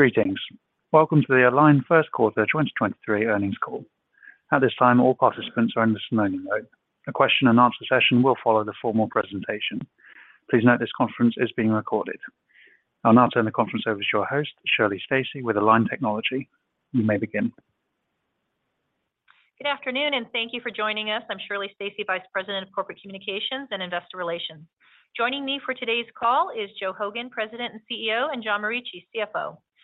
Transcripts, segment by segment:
Greetings. Welcome to the Align first quarter 2023 earnings call. At this time, all participants are in listen only mode. A question-and-answer session will follow the formal presentation. Please note this conference is being recorded. I'll now turn the conference over to your host, Shirley Stacy with Align Technology. You may begin. Good afternoon, and thank you for joining us. I'm Shirley Stacy, Vice President of Corporate Communications and Investor Relations. Joining me for today's call is Joe Hogan, President and CEO, and John Morici,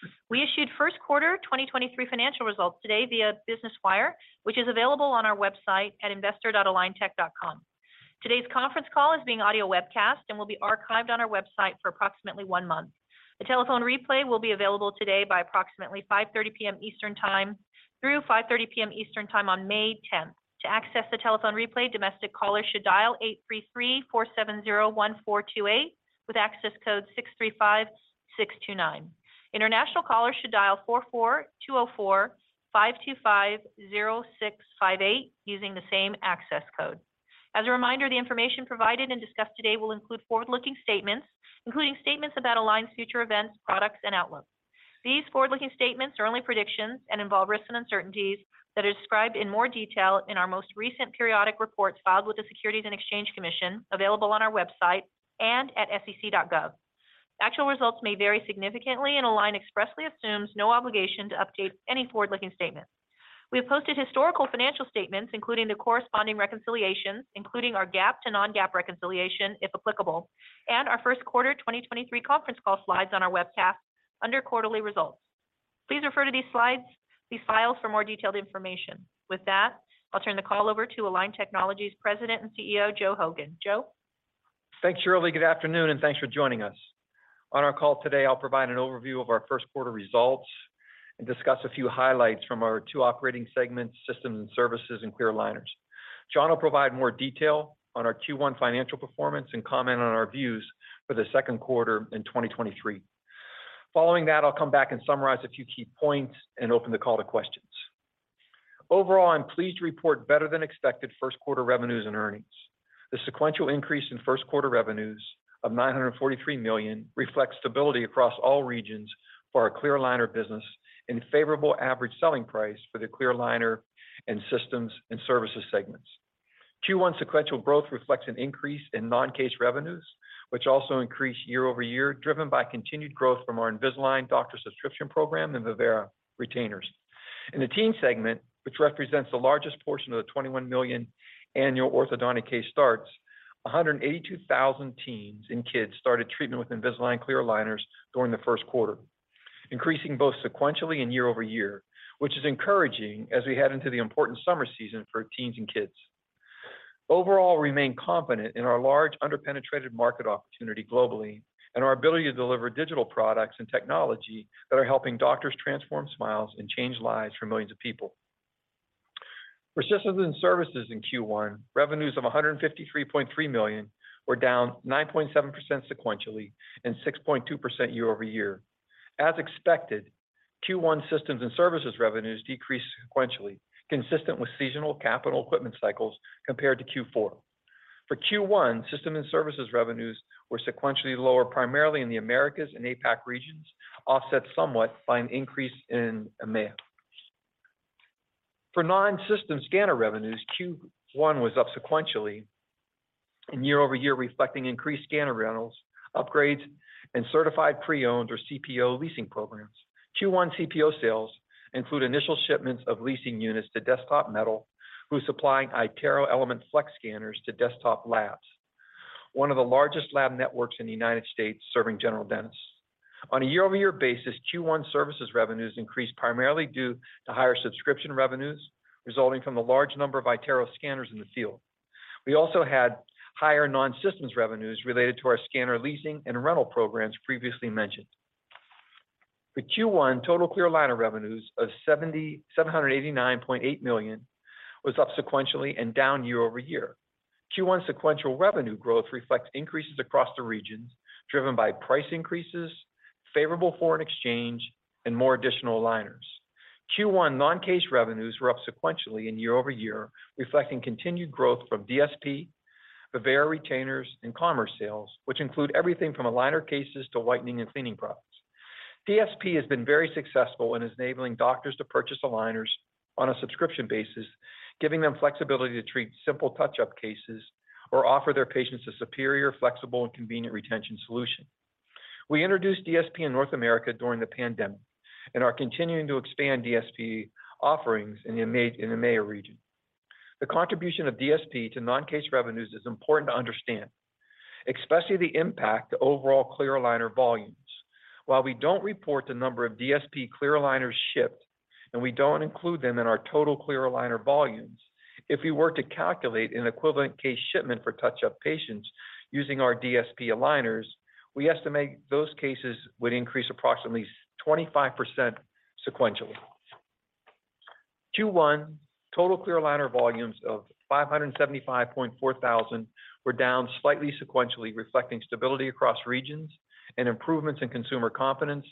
CFO. We issued first quarter 2023 financial results today via Business Wire, which is available on our website at investor.aligntech.com. Today's conference call is being audio webcast and will be archived on our website for approximately 1 month. The telephone replay will be available today by approximately 5:30 P.M. Eastern time through 5:30 P.M. Eastern time on May 10. To access the telephone replay, domestic callers should dial 833-470-1428 with access code 635629. International callers should dial 44-204-525-0658 using the same access code. As a reminder, the information provided and discussed today will include forward-looking statements, including statements about Align's future events, products, and outlook. These forward-looking statements are only predictions and involve risks and uncertainties that are described in more detail in our most recent periodic reports filed with the Securities and Exchange Commission, available on our website and at sec.gov. Actual results may vary significantly. Align expressly assumes no obligation to update any forward-looking statement. We have posted historical financial statements, including the corresponding reconciliations, including our GAAP to non-GAAP reconciliation, if applicable, and our first quarter 2023 conference call slides on our webcast under quarterly results. Please refer to these files for more detailed information. With that, I'll turn the call over to Align Technology's President and CEO, Joe Hogan. Joe. Thanks, Shirley. Good afternoon, thanks for joining us. On our call today, I'll provide an overview of our first quarter results and discuss a few highlights from our two operating segments, systems and services, and clear aligners. John will provide more detail on our Q1 financial performance and comment on our views for the second quarter in 2023. Following that, I'll come back and summarize a few key points and open the call to questions. Overall, I'm pleased to report better than expected first quarter revenues and earnings. The sequential increase in first quarter revenues of $943 million reflects stability across all regions for our clear aligner business and favorable average selling price for the clear aligner and systems and services segments. Q1 sequential growth reflects an increase in non-case revenues, which also increased year-over-year, driven by continued growth from our Invisalign doctor subscription program and Vivera retainers. In the teen segment, which represents the largest portion of the 21 million annual orthodontic case starts, 182,000 teens and kids started treatment with Invisalign clear aligners during the first quarter, increasing both sequentially and year-over-year, which is encouraging as we head into the important summer season for teens and kids. Overall, we remain confident in our large underpenetrated market opportunity globally and our ability to deliver digital products and technology that are helping doctors transform smiles and change lives for millions of people. For systems and services in Q1, revenues of $153.3 million were down 9.7% sequentially and 6.2% year-over-year. As expected, Q1 systems and services revenues decreased sequentially, consistent with seasonal capital equipment cycles compared to Q4. For Q1, system and services revenues were sequentially lower, primarily in the Americas and APAC regions, offset somewhat by an increase in EMEA. For non-system scanner revenues, Q1 was up sequentially and year-over-year, reflecting increased scanner rentals, upgrades, and certified pre-owned or CPO leasing programs. Q1 CPO sales include initial shipments of leasing units to Desktop Metal, who's supplying iTero Element Flex scanners to Desktop Labs, one of the largest lab networks in the United States serving general dentists. On a year-over-year basis, Q1 services revenues increased primarily due to higher subscription revenues resulting from the large number of iTero scanners in the field. We also had higher non-systems revenues related to our scanner leasing and rental programs previously mentioned. The Q1 total clear aligner revenues of $789.8 million was up sequentially and down year-over-year. Q1 sequential revenue growth reflects increases across the regions driven by price increases, favorable foreign exchange, and more additional aligners. Q1 non-case revenues were up sequentially and year-over-year, reflecting continued growth from DSP, Vivera retainers, and commerce sales, which include everything from aligner cases to whitening and cleaning products. DSP has been very successful in enabling doctors to purchase aligners on a subscription basis, giving them flexibility to treat simple touch-up cases or offer their patients a superior, flexible, and convenient retention solution. We introduced DSP in North America during the pandemic and are continuing to expand DSP offerings in the EMEA region. The contribution of DSP to non-case revenues is important to understand, especially the impact to overall clear aligner volumes. While we don't report the number of DSP clear aligners shipped, and we don't include them in our total clear aligner volumes, if we were to calculate an equivalent case shipment for touch-up patients using our DSP aligners, we estimate those cases would increase approximately 25% sequentially. Q1 total clear aligner volumes of 575.4 thousand were down slightly sequentially, reflecting stability across regions and improvements in consumer confidence,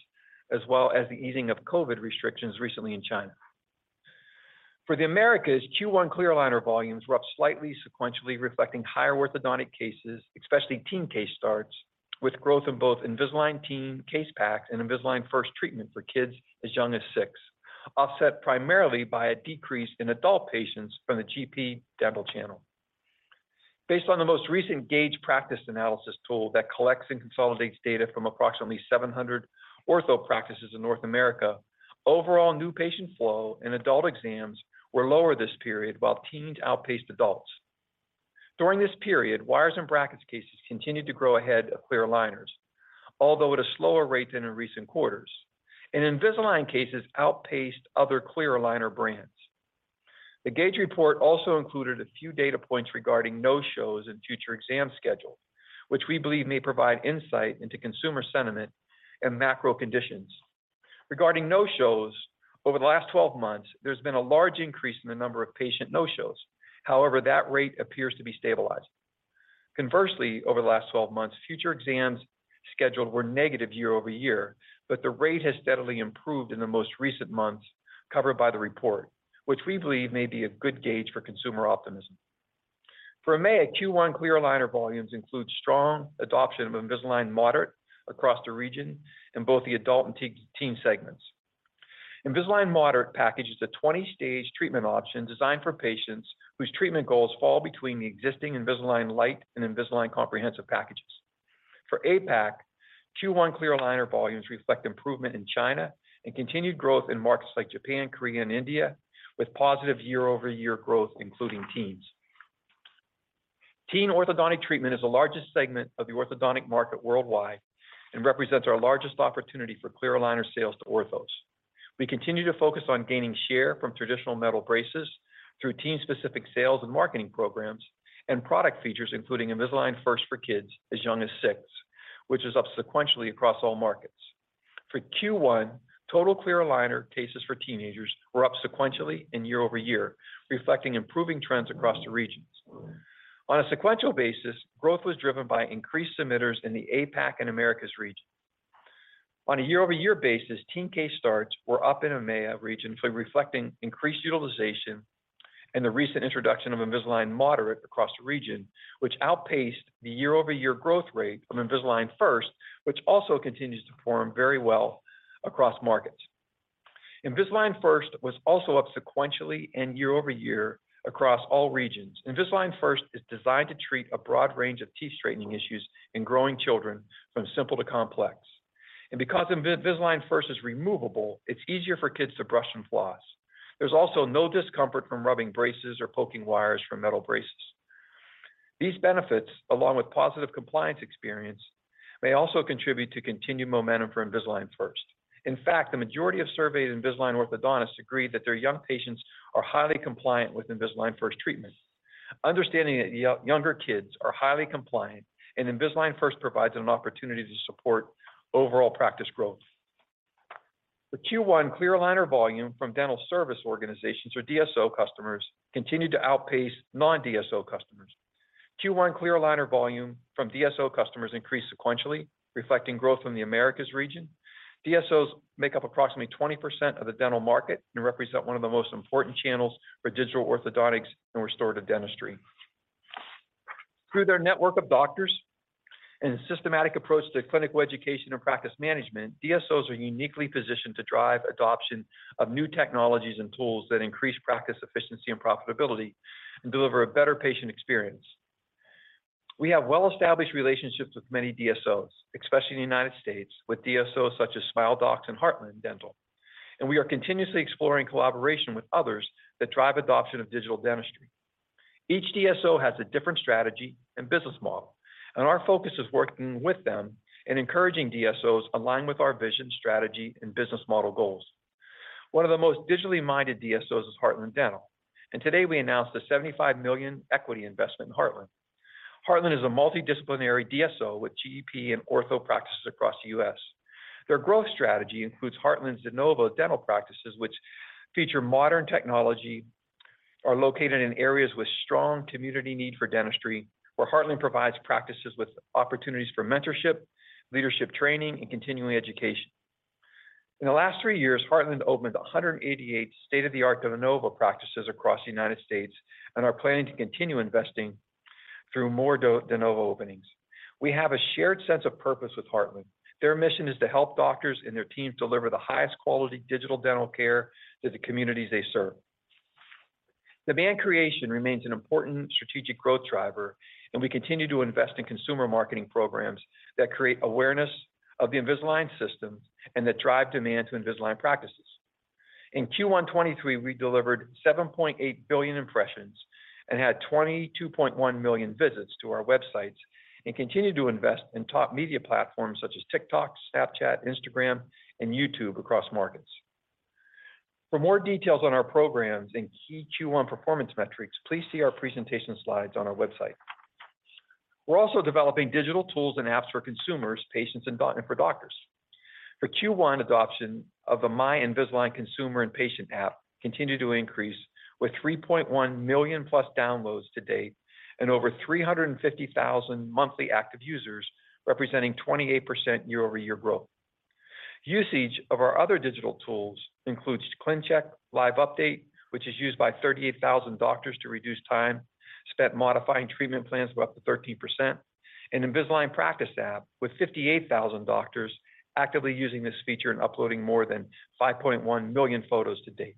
as well as the easing of COVID restrictions recently in China. For the Americas, Q1 clear aligner volumes were up slightly sequentially reflecting higher orthodontic cases, especially teen case starts, with growth in both Invisalign Teen Case Pack and Invisalign First treatment for kids as young as six, offset primarily by a decrease in adult patients from the GP dental channel. Based on the most recent GAGE practice analysis tool that collects and consolidates data from approximately 700 ortho practices in North America, overall new patient flow and adult exams were lower this period while teens outpaced adults. During this period, wires and brackets cases continued to grow ahead of clear aligners, although at a slower rate than in recent quarters, and Invisalign cases outpaced other clear aligner brands. The GAGE report also included a few data points regarding no-shows and future exam schedule, which we believe may provide insight into consumer sentiment and macro conditions. Regarding no-shows, over the last 12 months, there's been a large increase in the number of patient no-shows. However, that rate appears to be stabilized. Conversely, over the last 12 months, future exams scheduled were negative year-over-year, but the rate has steadily improved in the most recent months covered by the report, which we believe may be a good gauge for consumer optimism. For EMEA, Q1 clear aligner volumes include strong adoption of Invisalign Moderate across the region in both the adult and team segments. Invisalign Moderate package is a 20-stage treatment option designed for patients whose treatment goals fall between the existing Invisalign Lite and Invisalign Comprehensive packages. For APAC, Q1 clear aligner volumes reflect improvement in China and continued growth in markets like Japan, Korea, and India, with positive year-over-year growth, including teens. Teen orthodontic treatment is the largest segment of the orthodontic market worldwide and represents our largest opportunity for clear aligner sales to orthos. We continue to focus on gaining share from traditional metal braces through teen-specific sales and marketing programs and product features, including Invisalign First for kids as young as six, which is up sequentially across all markets. For Q1, total clear aligner cases for teenagers were up sequentially and year-over-year, reflecting improving trends across the regions. On a sequential basis, growth was driven by increased submitters in the APAC and Americas region. On a year-over-year basis, teen case starts were up in EMEA region, reflecting increased utilization and the recent introduction of Invisalign Moderate across the region, which outpaced the year-over-year growth rate of Invisalign First, which also continues to perform very well across markets. Invisalign First was also up sequentially and year-over-year across all regions. Invisalign First is designed to treat a broad range of teeth straightening issues in growing children from simple to complex. Because Invisalign First is removable, it's easier for kids to brush and floss. There's also no discomfort from rubbing braces or poking wires from metal braces. These benefits, along with positive compliance experience, may also contribute to continued momentum for Invisalign First. In fact, the majority of surveyed Invisalign orthodontists agree that their young patients are highly compliant with Invisalign First treatment. Understanding that younger kids are highly compliant, Invisalign First provides an opportunity to support overall practice growth. The Q1 clear aligner volume from dental service organizations or DSOs customers continued to outpace non-DSO customers. Q1 clear aligner volume from DSO customers increased sequentially, reflecting growth in the Americas region. DSOs make up approximately 20% of the dental market and represent one of the most important channels for digital orthodontics and restorative dentistry. Through their network of doctors and systematic approach to clinical education and practice management, DSOs are uniquely positioned to drive adoption of new technologies and tools that increase practice efficiency and profitability and deliver a better patient experience. We have well-established relationships with many DSOs, especially in the United States, with DSOs such as Smile Doctors and Heartland Dental. We are continuously exploring collaboration with others that drive adoption of digital dentistry. Each DSO has a different strategy and business model. Our focus is working with them and encouraging DSOs aligned with our vision, strategy, and business model goals. One of the most digitally-minded DSOs is Heartland Dental. Today we announced a $75 million equity investment in Heartland. Heartland is a multidisciplinary DSO with GP and ortho practices across the US. Their growth strategy includes Heartland's de novo dental practices which feature modern technology, are located in areas with strong community need for dentistry, where Heartland provides practices with opportunities for mentorship, leadership training, and continuing education. In the last three years, Heartland opened 188 state-of-the-art de novo practices across the United States and are planning to continue investing through more de novo openings. We have a shared sense of purpose with Heartland. Their mission is to help doctors and their team deliver the highest quality digital dental care to the communities they serve. We continue to invest in consumer marketing programs that create awareness of the Invisalign system and that drive demand to Invisalign practices. In Q1 2023, we delivered 7.8 billion impressions and had 22.1 million visits to our websites and continue to invest in top media platforms such as TikTok, Snapchat, Instagram, and YouTube across markets. For more details on our programs and key Q1 performance metrics, please see our presentation slides on our website. We're also developing digital tools and apps for consumers, patients, and for doctors. For Q1, adoption of the My Invisalign consumer and patient app continued to increase with 3.1 million+ downloads to date and over 350,000 monthly active users, representing 28% year-over-year growth. Usage of our other digital tools includes ClinCheck Live Update, which is used by 38,000 doctors to reduce time spent modifying treatment plans by up to 13%, and Invisalign Practice App, with 58,000 doctors actively using this feature and uploading more than 5.1 million photos to date.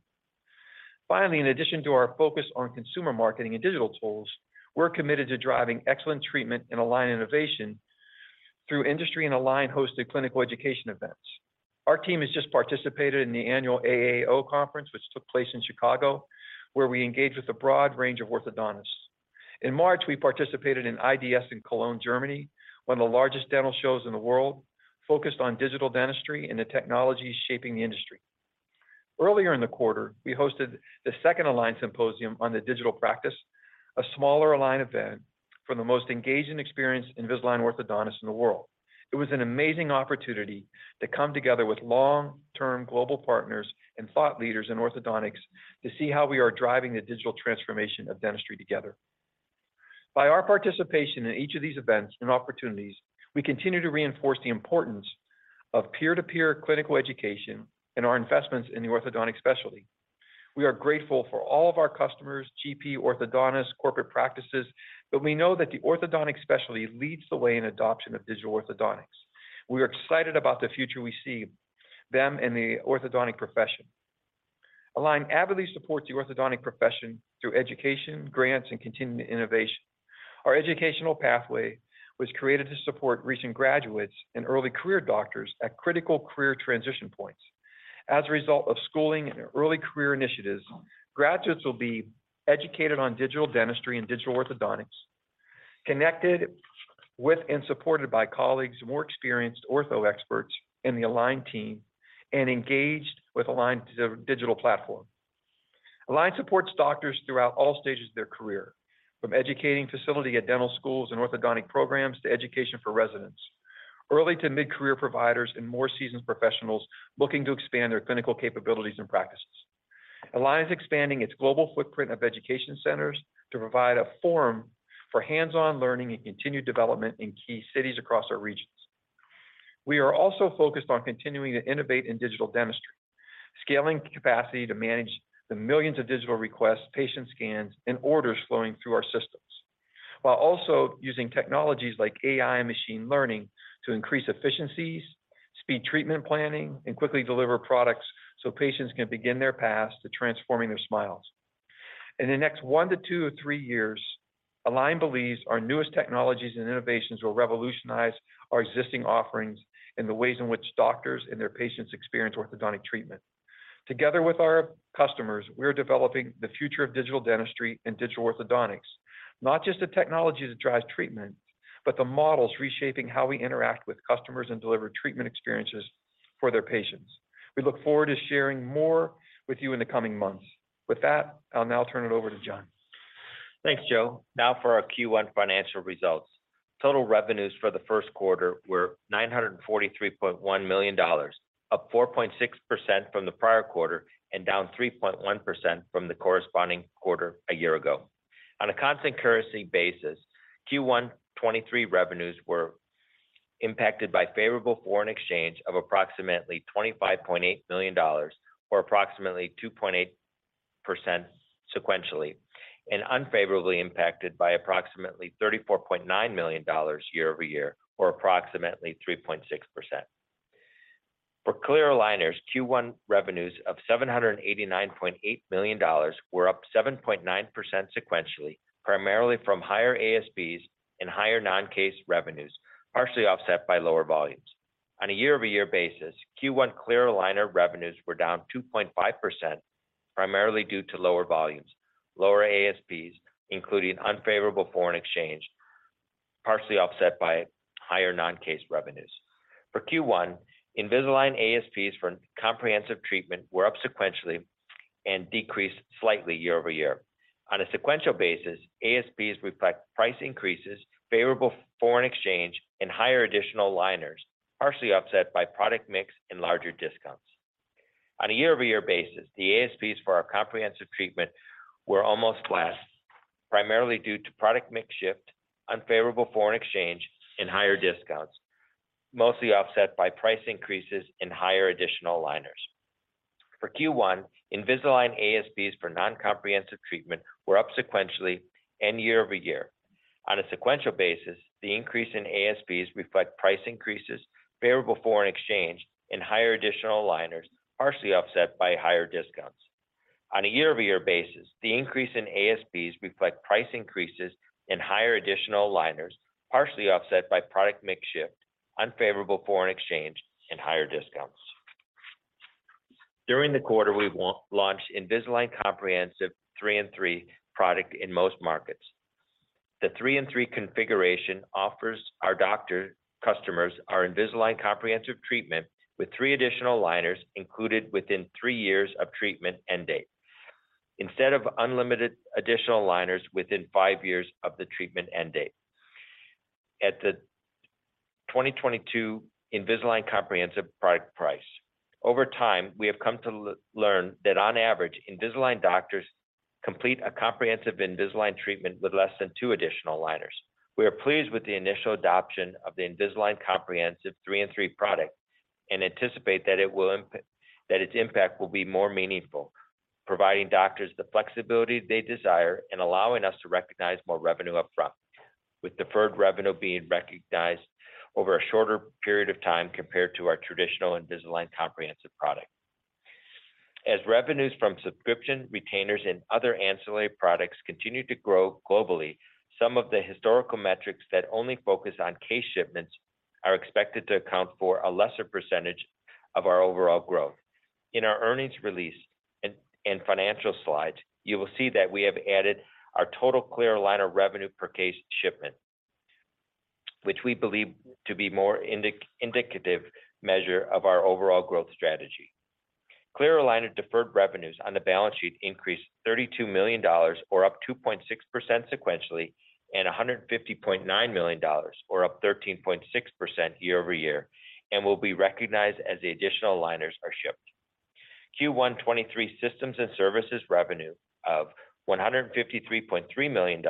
In addition to our focus on consumer marketing and digital tools, we're committed to driving excellent treatment and Align innovation through industry and Align-hosted clinical education events. Our team has just participated in the annual AAO conference, which took place in Chicago, where we engaged with a broad range of orthodontists. In March, we participated in IDS in Cologne, Germany, one of the largest dental shows in the world, focused on digital dentistry and the technologies shaping the industry. Earlier in the quarter, we hosted the second Align Symposium on the digital practice, a smaller Align event for the most engaging experience Invisalign orthodontists in the world. It was an amazing opportunity to come together with long-term global partners and thought leaders in orthodontics to see how we are driving the digital transformation of dentistry together. By our participation in each of these events and opportunities, we continue to reinforce the importance of peer-to-peer clinical education and our investments in the orthodontic specialty. We are grateful for all of our customers, GP, orthodontists, corporate practices, we know that the orthodontic specialty leads the way in adoption of digital orthodontics. We are excited about the future we see them in the orthodontic profession. Align avidly supports the orthodontic profession through education, grants, and continued innovation. Our educational pathway was created to support recent graduates and early career doctors at critical career transition points. As a result of schooling and early career initiatives, graduates will be educated on digital dentistry and digital orthodontics, connected with and supported by colleagues, more experienced ortho experts in the Align team, and engaged with Align's digital platform. Align supports doctors throughout all stages of their career, from educating facility at dental schools and orthodontic programs to education for residents, early to mid-career providers and more seasoned professionals looking to expand their clinical capabilities and practices. Align is expanding its global footprint of education centers to provide a forum for hands-on learning and continued development in key cities across our regions. We are also focused on continuing to innovate in digital dentistry, scaling capacity to manage the millions of digital requests, patient scans, and orders flowing through our systems, while also using technologies like AI and machine learning to increase efficiencies, speed treatment planning, and quickly deliver products so patients can begin their path to transforming their smiles. In the next one to two to three years, Align believes our newest technologies and innovations will revolutionize our existing offerings in the ways in which doctors and their patients experience orthodontic treatment. Together with our customers, we're developing the future of digital dentistry and digital orthodontics. Not just the technology that drives treatment, but the models reshaping how we interact with customers and deliver treatment experiences for their patients. We look forward to sharing more with you in the coming months. With that, I'll now turn it over to John. Thanks, Joe. Now for our Q1 financial results. Total revenues for the first quarter were $943.1 million, up 4.6% from the prior quarter and down 3.1% from the corresponding quarter a year ago. On a constant currency basis, Q1 2023 revenues were impacted by favorable foreign exchange of approximately $25.8 million or approximately 2.8% sequentially, and unfavorably impacted by approximately $34.9 million year-over-year, or approximately 3.6%. For clear aligners, Q1 revenues of $789.8 million were up 7.9% sequentially, primarily from higher ASPs and higher non-case revenues, partially offset by lower volumes. On a year-over-year basis, Q1 clear aligner revenues were down 2.5%, primarily due to lower volumes, lower ASPs, including unfavorable foreign exchange, partially offset by higher non-case revenues. For Q1, Invisalign ASPs for comprehensive treatment were up sequentially and decreased slightly year-over-year. On a sequential basis, ASPs reflect price increases, favorable foreign exchange, and higher additional aligners, partially offset by product mix and larger discounts. On a year-over-year basis, the ASPs for our comprehensive treatment were almost flat, primarily due to product mix shift, unfavorable foreign exchange, and higher discounts, mostly offset by price increases and higher additional aligners. For Q1, Invisalign ASPs for non-comprehensive treatment were up sequentially and year-over-year. On a sequential basis, the increase in ASPs reflect price increases, favorable foreign exchange, and higher additional aligners, partially offset by higher discounts. On a year-over-year basis, the increase in ASPs reflect price increases and higher additional aligners, partially offset by product mix shift, unfavorable foreign exchange, and higher discounts. During the quarter, we've launched Invisalign Comprehensive 3-3 product in most markets. The 3-3 configuration offers our doctor customers our Invisalign Comprehensive treatment with 3 additional aligners included within 3 years of treatment end date instead of unlimited additional aligners within 5 years of the treatment end date. At the 2022 Invisalign Comprehensive product price. Over time, we have come to learn that on average, Invisalign doctors Complete a comprehensive Invisalign treatment with less than 2 additional aligners. We are pleased with the initial adoption of the Invisalign Comprehensive 3-3 product and anticipate that its impact will be more meaningful, providing doctors the flexibility they desire and allowing us to recognize more revenue upfront, with deferred revenue being recognized over a shorter period of time compared to our traditional Invisalign Comprehensive product. As revenues from subscription, retainers, and other ancillary products continue to grow globally, some of the historical metrics that only focus on case shipments are expected to account for a lesser % of our overall growth. In our earnings release and financial slides, you will see that we have added our total clear aligner revenue per case shipment, which we believe to be more indicative measure of our overall growth strategy. Clear aligner deferred revenues on the balance sheet increased $32 million or up 2.6% sequentially and $150.9 million or up 13.6% year-over-year and will be recognized as the additional aligners are shipped. Q1 2023 systems and services revenue of $153.3 million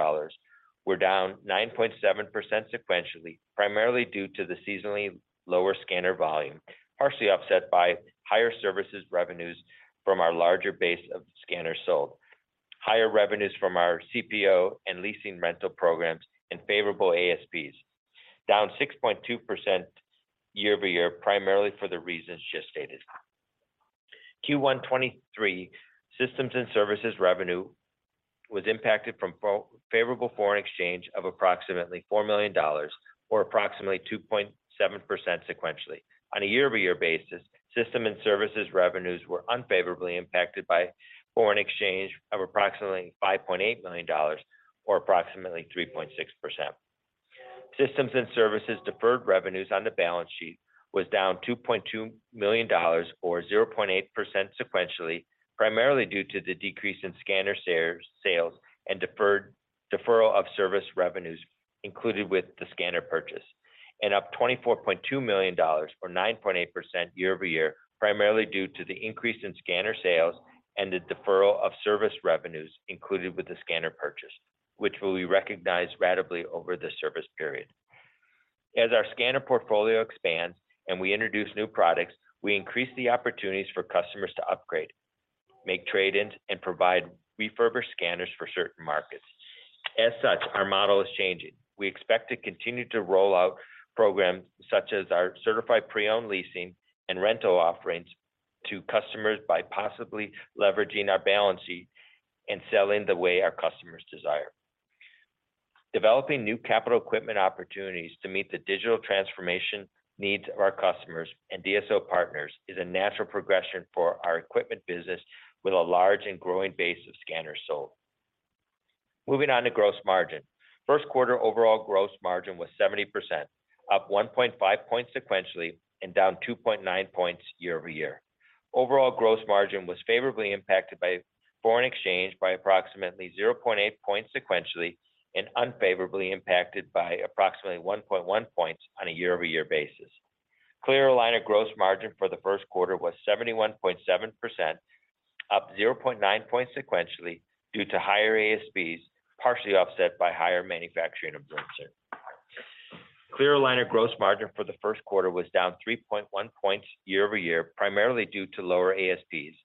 were down 9.7% sequentially, primarily due to the seasonally lower scanner volume, partially offset by higher services revenues from our larger base of scanners sold. Higher revenues from our CPO and leasing rental programs and favorable ASPs, down 6.2% year-over-year, primarily for the reasons just stated. Q1 2023 systems and services revenue was impacted from favorable foreign exchange of approximately $4 million or approximately 2.7% sequentially. On a year-over-year basis, system and services revenues were unfavorably impacted by foreign exchange of approximately $5.8 million or approximately 3.6%. Systems and services deferred revenues on the balance sheet was down $2.2 million or 0.8% sequentially, primarily due to the decrease in scanner sales and deferral of service revenues included with the scanner purchase. Up $24.2 million or 9.8% year-over-year, primarily due to the increase in scanner sales and the deferral of service revenues included with the scanner purchase, which will be recognized ratably over the service period. As our scanner portfolio expands and we introduce new products, we increase the opportunities for customers to upgrade, make trade-ins, and provide refurbished scanners for certain markets. As such, our model is changing. We expect to continue to roll out programs such as our certified pre-owned leasing and rental offerings to customers by possibly leveraging our balance sheet and selling the way our customers desire. Developing new capital equipment opportunities to meet the digital transformation needs of our customers and DSO partners is a natural progression for our equipment business with a large and growing base of scanners sold. Moving on to gross margin. First quarter overall gross margin was 70%, up 1.5 points sequentially and down 2.9 points year-over-year. Overall gross margin was favorably impacted by foreign exchange by approximately 0.8 points sequentially and unfavorably impacted by approximately 1.1 points on a year-over-year basis. Clear aligner gross margin for the first quarter was 71.7%, up 0.9 points sequentially due to higher ASPs, partially offset by higher manufacturing absorption. Clear aligner gross margin for the first quarter was down 3.1 points year-over-year, primarily due to lower ASPs,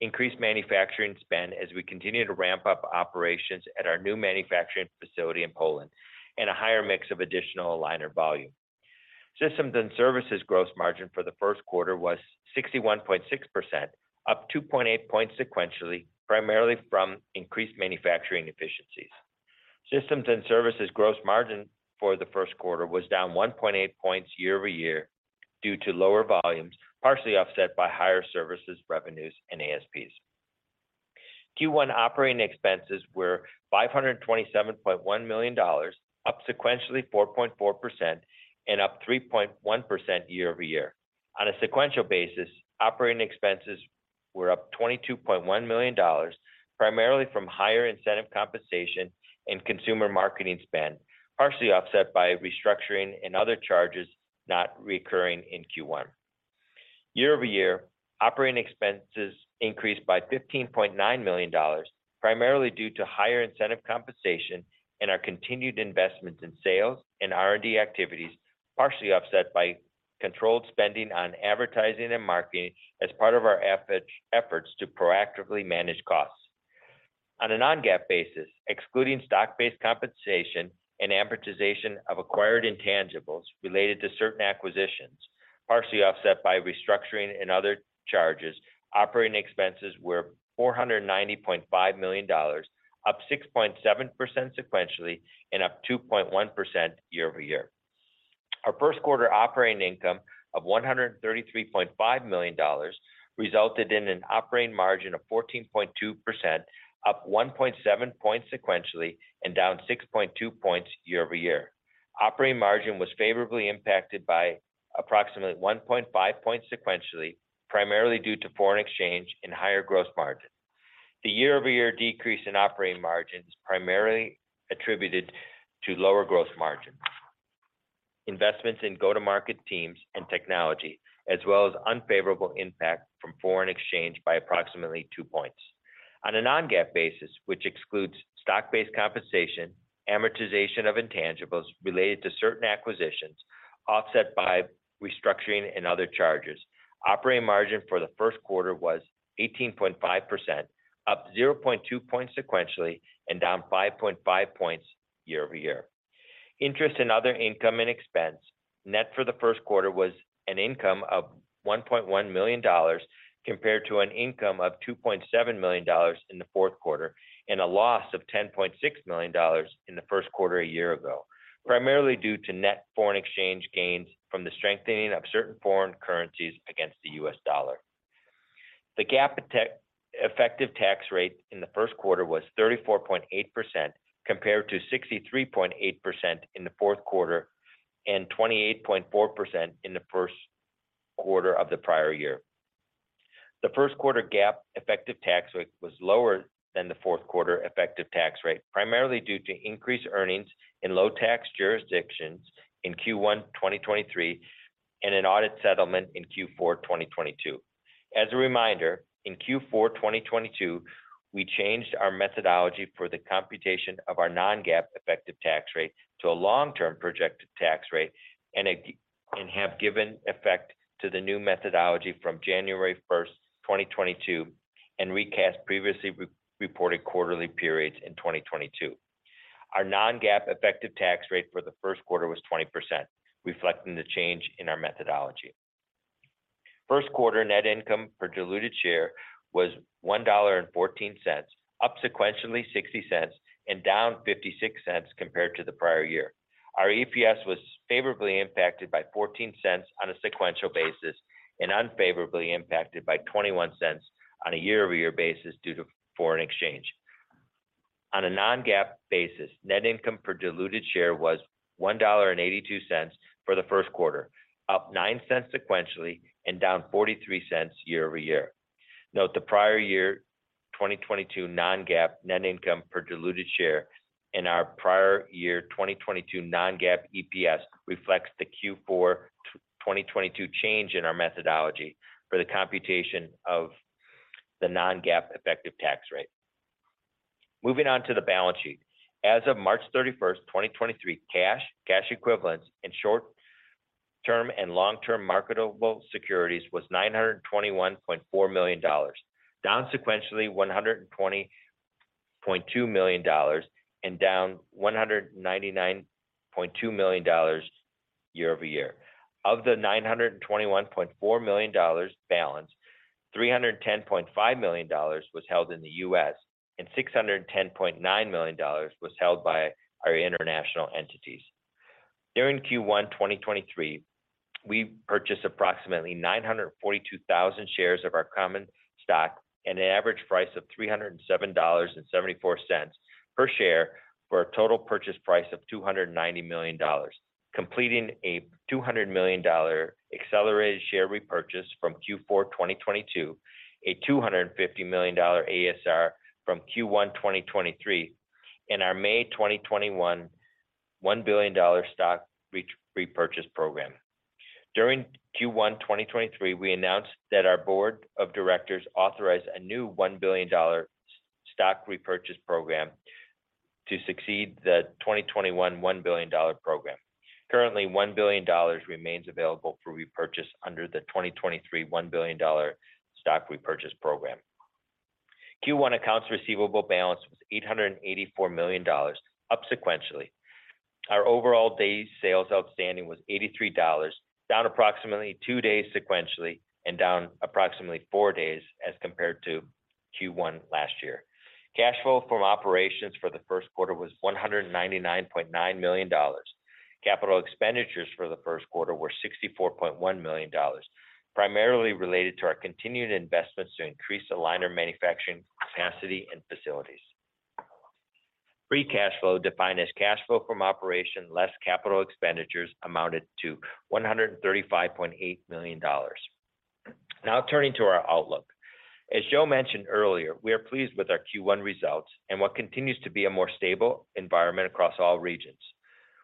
increased manufacturing spend as we continue to ramp up operations at our new manufacturing facility in Poland, and a higher mix of additional aligner volume. Systems and services gross margin for the first quarter was 61.6%, up 2.8 points sequentially, primarily from increased manufacturing efficiencies. Systems and services gross margin for the first quarter was down 1.8 points year-over-year due to lower volumes, partially offset by higher services revenues and ASPs. Q1 operating expenses were $527.1 million, up sequentially 4.4% and up 3.1% year-over-year. On a sequential basis, operating expenses were up $22.1 million, primarily from higher incentive compensation and consumer marketing spend, partially offset by restructuring and other charges not recurring in Q1. Year-over-year, operating expenses increased by $15.9 million, primarily due to higher incentive compensation and our continued investments in sales and R&D activities, partially offset by controlled spending on advertising and marketing as part of our efforts to proactively manage costs. On a non-GAAP basis, excluding stock-based compensation and amortization of acquired intangibles related to certain acquisitions, partially offset by restructuring and other charges, operating expenses were $490.5 million, up 6.7% sequentially and up 2.1% year-over-year. Our first quarter operating income of $133.5 million resulted in an operating margin of 14.2%, up 1.7 points sequentially and down 6.2 points year-over-year. Operating margin was favorably impacted by approximately 1.5 points sequentially, primarily due to foreign exchange and higher gross margin. The year-over-year decrease in operating margin is primarily attributed to lower gross margin. Investments in go-to-market teams and technology, as well as unfavorable impact from foreign exchange by approximately 2 points. On a non-GAAP basis, which excludes stock-based compensation, amortization of intangibles related to certain acquisitions, offset by restructuring and other charges. Operating margin for the first quarter was 18.5%, up 0.2 points sequentially and down 5.5 points year-over-year. Interest and other income and expense. Net for the first quarter was an income of $1.1 million compared to an income of $2.7 million in the fourth quarter, and a loss of $10.6 million in the first quarter a year ago, primarily due to net foreign exchange gains from the strengthening of certain foreign currencies against the US dollar. The GAAP effective tax rate in the first quarter was 34.8% compared to 63.8% in the fourth quarter and 28.4% in the first quarter of the prior year. The first quarter GAAP effective tax rate was lower than the fourth quarter effective tax rate, primarily due to increased earnings in low tax jurisdictions in Q1 2023 and an audit settlement in Q4 2022. As a reminder, in Q4, 2022, we changed our methodology for the computation of our non-GAAP effective tax rate to a long-term projected tax rate and have given effect to the new methodology from January first, 2022 and recast previously re-reported quarterly periods in 2022. Our non-GAAP effective tax rate for the first quarter was 20%, reflecting the change in our methodology. First quarter net income per diluted share was $1.14, up sequentially $0.60 and down $0.56 compared to the prior year. Our EPS was favorably impacted by $0.14 on a sequential basis and unfavorably impacted by $0.21 on a year-over-year basis due to foreign exchange. On a non-GAAP basis, net income per diluted share was $1.82 for the first quarter, up $0.09 sequentially and down $0.43 year-over-year. Note the prior year, 2022 non-GAAP net income per diluted share and our prior year, 2022 non-GAAP EPS reflects the Q4, 2022 change in our methodology for the computation of the non-GAAP effective tax rate. Moving on to the balance sheet. As of March 31st, 2023, cash equivalents, and short-term and long-term marketable securities was $921.4 million, down sequentially $120.2 million and down $199.2 million year-over-year. Of the $921.4 million balance, $310.5 million was held in the U.S., and $610.9 million was held by our international entities. During Q1 2023, we purchased approximately 942,000 shares of our common stock at an average price of $307.74 per share for a total purchase price of $290 million, completing a $200 million accelerated share repurchase from Q4 2022, a $250 million ASR from Q1 2023, and our May 2021, $1 billion stock repurchase program. During Q1 2023, we announced that our board of directors authorized a new $1 billion stock repurchase program to succeed the 2021 $1 billion program. Currently, $1 billion remains available for repurchase under the 2023 $1 billion stock repurchase program. Q1 accounts receivable balance was $884 million up sequentially. Our overall days sales outstanding was 83 dollars, down approximately 2 days sequentially, and down approximately 4 days as compared to Q1 last year. Cash flow from operations for the first quarter was $199.9 million. Capital expenditures for the first quarter were $64.1 million, primarily related to our continued investments to increase aligner manufacturing capacity in facilities. Free cash flow, defined as cash flow from operation less capital expenditures, amounted to $135.8 million. Turning to our outlook. As Joe mentioned earlier, we are pleased with our Q1 results and what continues to be a more stable environment across all regions.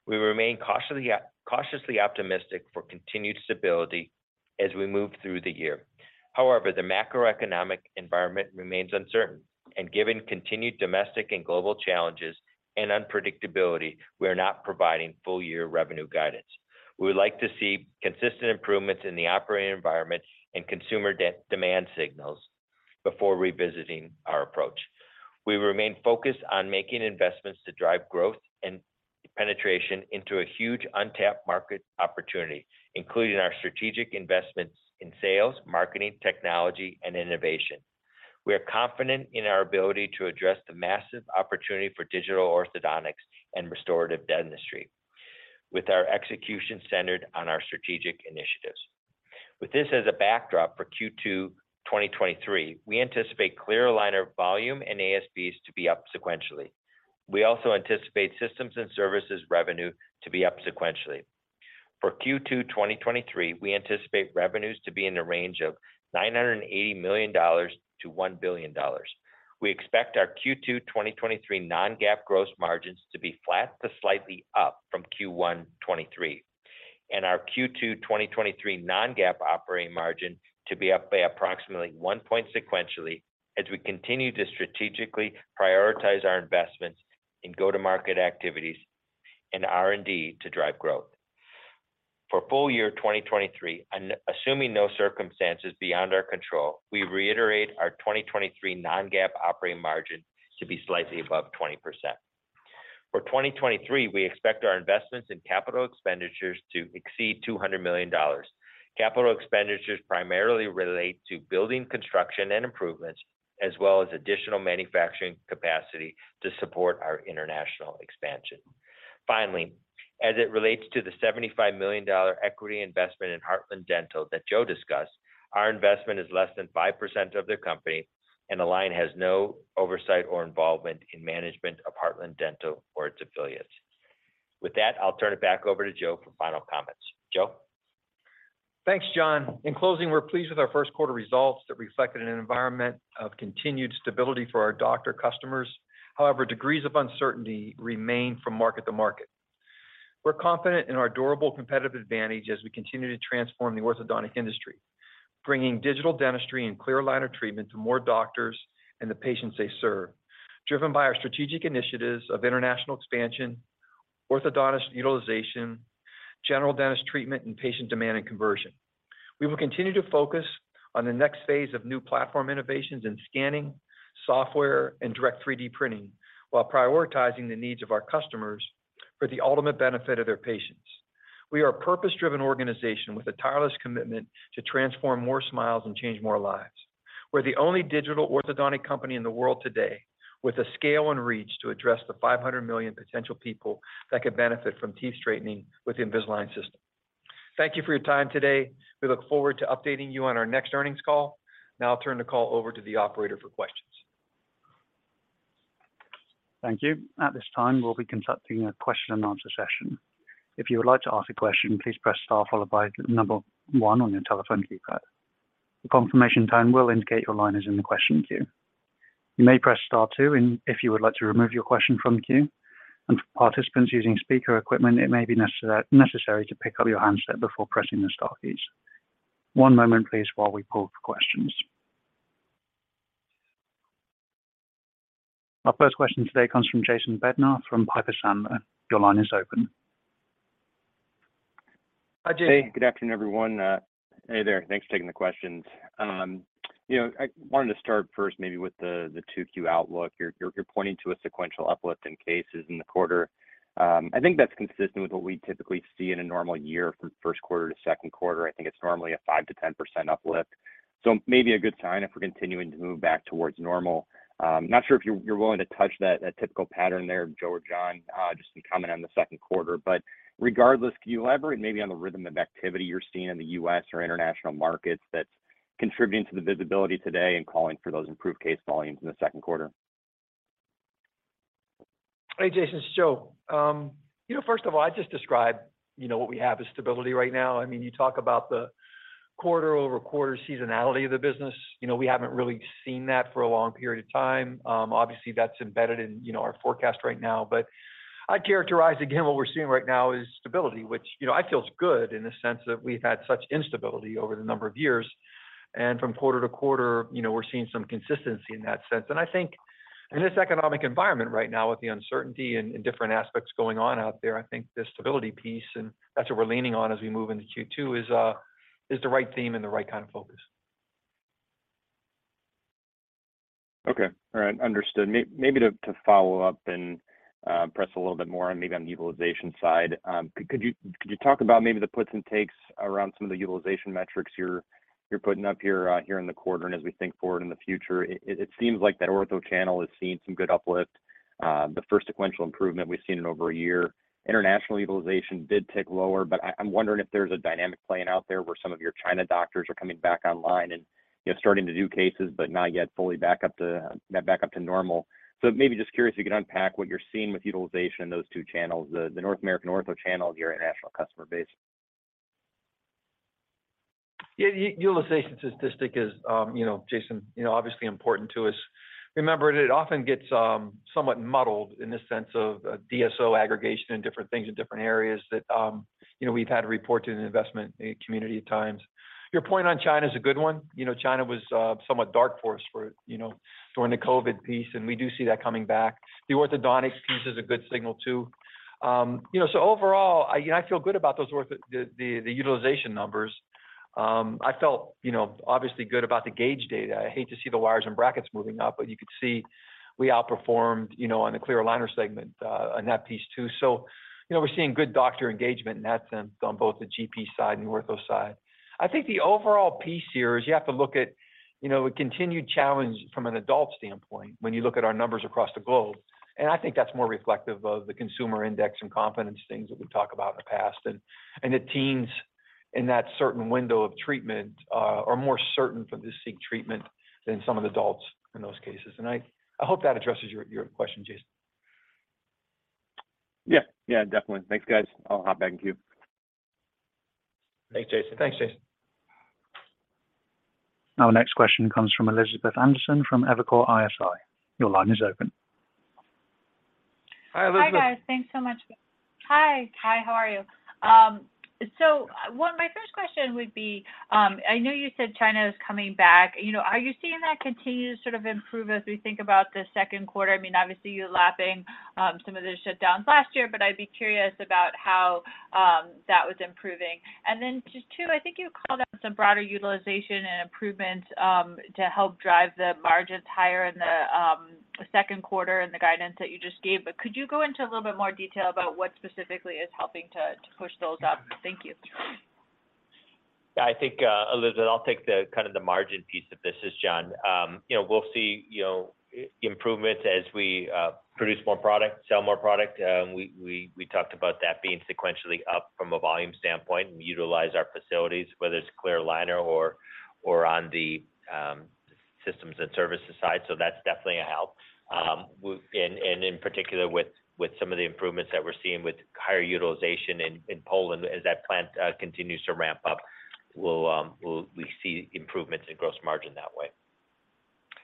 We remain cautiously optimistic for continued stability as we move through the year. However, the macroeconomic environment remains uncertain, and given continued domestic and global challenges and unpredictability, we are not providing full year revenue guidance. We would like to see consistent improvements in the operating environment and consumer de-demand signals before revisiting our approach. We remain focused on making investments to drive growth and penetration into a huge untapped market opportunity, including our strategic investments in sales, marketing, technology, and innovation. We are confident in our ability to address the massive opportunity for digital orthodontics and restorative dentistry with our execution centered on our strategic initiatives. With this as a backdrop for Q2 2023, we anticipate clear aligner volume and ASBs to be up sequentially. We also anticipate systems and services revenue to be up sequentially. For Q2 2023, we anticipate revenues to be in the range of $980 million-$1 billion. We expect our Q2 2023 non-GAAP gross margins to be flat to slightly up from Q1 2023. Our Q2 2023 non-GAAP operating margin to be up by approximately 1 point sequentially as we continue to strategically prioritize our investments in go-to-market activities and R&D to drive growth. For full year 2023, un-assuming no circumstances beyond our control, we reiterate our 2023 non-GAAP operating margin to be slightly above 20%. For 2023, we expect our investments in CapEx to exceed $200 million. CapEx primarily relate to building construction and improvements, as well as additional manufacturing capacity to support our international expansion. Finally, as it relates to the $75 million equity investment in Heartland Dental that Joe discussed, our investment is less than 5% of their company, and Align has no oversight or involvement in management of Heartland Dental or its affiliates. With that, I'll turn it back over to Joe for final comments. Joe? Thanks, John. In closing, we're pleased with our first quarter results that reflected an environment of continued stability for our doctor customers. Degrees of uncertainty remain from market to market. We're confident in our durable competitive advantage as we continue to transform the orthodontic industry, bringing digital dentistry and clear aligner treatment to more doctors and the patients they serve, driven by our strategic initiatives of international expansion, orthodontist utilization, general dentist treatment, and patient demand and conversion. We will continue to focus on the next phase of new platform innovations in scanning, software, and direct 3D printing while prioritizing the needs of our customers for the ultimate benefit of their patients. We are a purpose-driven organization with a tireless commitment to transform more smiles and change more lives. We're the only digital orthodontic company in the world today with the scale and reach to address the 500 million potential people that could benefit from teeth straightening with Invisalign system. Thank you for your time today. We look forward to updating you on our next earnings call. I'll turn the call over to the operator for questions. Thank you. At this time, we'll be conducting a question and answer session. If you would like to ask a question, please press star followed by the number one on your telephone keypad. A confirmation tone will indicate your line is in the question queue. You may press star two if you would like to remove your question from the queue. For participants using speaker equipment, it may be necessary to pick up your handset before pressing the star keys. One moment please while we pull for questions. Our first question today comes from Jason Bednar from Piper Sandler. Your line is open. Hi, Jason. Hey, good afternoon, everyone. Hey there. Thanks for taking the questions. You know, I wanted to start first maybe with the 2Q outlook. You're pointing to a sequential uplift in cases in the quarter. I think that's consistent with what we typically see in a normal year from first quarter to second quarter. I think it's normally a 5%-10% uplift. Maybe a good sign if we're continuing to move back towards normal. Not sure if you're willing to touch that typical pattern there, Joe or John, just in comment on the second quarter? Regardless, can you elaborate maybe on the rhythm of activity you're seeing in the U.S. or international markets that's contributing to the visibility today and calling for those improved case volumes in the second quarter? Hey, Jason, it's Joe. You know, first of all, I just described, you know, what we have as stability right now. I mean, you talk about the quarter-over-quarter seasonality of the business. You know, we haven't really seen that for a long period of time. Obviously, that's embedded in, you know, our forecast right now. But I'd characterize again, what we're seeing right now is stability, which, you know, I feel is good in the sense that we've had such instability over the number of years. From quarter to quarter, you know, we're seeing some consistency in that sense. I think in this economic environment right now with the uncertainty and different aspects going on out there, I think the stability piece, and that's what we're leaning on as we move into Q2, is the right theme and the right kind of focus. Okay. All right. Understood. Maybe to follow up and press a little bit more on the utilization side. Could you talk about maybe the puts and takes around some of the utilization metrics you're putting up here in the quarter and as we think forward in the future? It seems like that ortho channel is seeing some good uplift. The first sequential improvement we've seen in over a year. International utilization did tick lower. I'm wondering if there's a dynamic playing out there where some of your China doctors are coming back online and, you know, starting to do cases but not yet fully back up to normal. Maybe just curious if you could unpack what you're seeing with utilization in those two channels, the North American ortho channel and your international customer base? Yeah. Utilization statistic is, you know, Jason, you know, obviously important to us. Remember, it often gets somewhat muddled in the sense of DSO aggregation and different things in different areas that, you know, we've had to report to the investment community at times. Your point on China is a good one. You know, China was somewhat dark for us for, you know, during the COVID piece, and we do see that coming back. The orthodontics piece is a good signal too. You know, so overall, I, you know, I feel good about those utilization numbers. I felt, you know, obviously good about the GAGE data. I hate to see the wires and brackets moving up, but you could see we outperformed, you know, on the clear aligner segment on that piece too. You know, we're seeing good doctor engagement in that sense on both the GP side and ortho side. I think the overall piece here is you have to look at, you know, a continued challenge from an adult standpoint when you look at our numbers across the globe. I think that's more reflective of the consumer index and confidence things that we've talked about in the past. The teens in that certain window of treatment are more certain for this seek treatment than some of the adults in those cases. I hope that addresses your question, Jason. Yeah. Yeah, definitely. Thanks, guys. I'll hop back in queue. Thanks, Jason. Thanks, Jason. Our next question comes from Elizabeth Anderson from Evercore ISI. Your line is open. Hi, Elizabeth. Hi, guys. Thanks so much. Hi. Hi, how are you? My first question would be, I know you said China is coming back. You know, are you seeing that continue to sort of improve as we think about the second quarter? I mean, obviously, you're lapping some of the shutdowns last year, but I'd be curious about how that was improving. Just 2, I think you called out some broader utilization and improvement to help drive the margins higher in the second quarter and the guidance that you just gave. Could you go into a little bit more detail about what specifically is helping to push those up? Thank you. I think, Elizabeth, I'll take kind of the margin piece of this. This is John. You know, we'll see, you know, improvements as we produce more product, sell more product. We talked about that being sequentially up from a volume standpoint, and we utilize our facilities, whether it's clear aligner or on the systems and services side. That's definitely a help. And in particular with some of the improvements that we're seeing with higher utilization in Poland as that plant continues to ramp up, we see improvements in gross margin that way.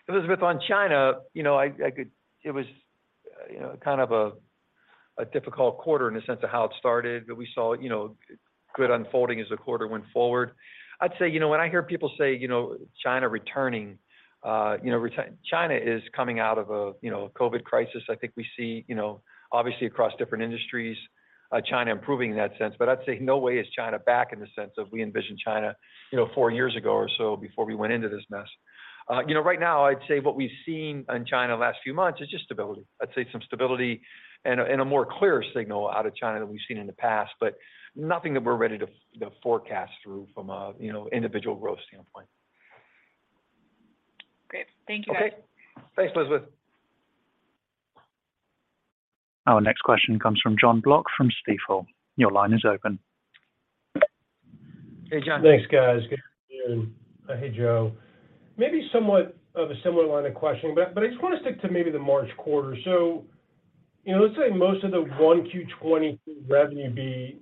Elizabeth, on China, you know, it was, you know, kind of a difficult quarter in the sense of how it started. We saw, you know, good unfolding as the quarter went forward. I'd say, you know, when I hear people say, you know, China returning, you know, China is coming out of a, you know, a COVID crisis. I think we see, you know, obviously across different industries, China improving in that sense. I'd say no way is China back in the sense of we envision China, you know, four years ago or so before we went into this mess. You know, right now I'd say what we've seen in China the last few months is just stability. I'd say some stability and a more clear signal out of China than we've seen in the past, but nothing that we're ready to forecast through from a, you know, individual growth standpoint. Great. Thank you, guys. Okay. Thanks, Elizabeth. Our next question comes from Jonathan Block from Stifel. Your line is open. Hey, John. Thanks, guys. Good afternoon. Hey, Joe. Maybe somewhat of a similar line of questioning. I just want to stick to maybe the March quarter. you know, let's say most of the 1Q20 revenue beat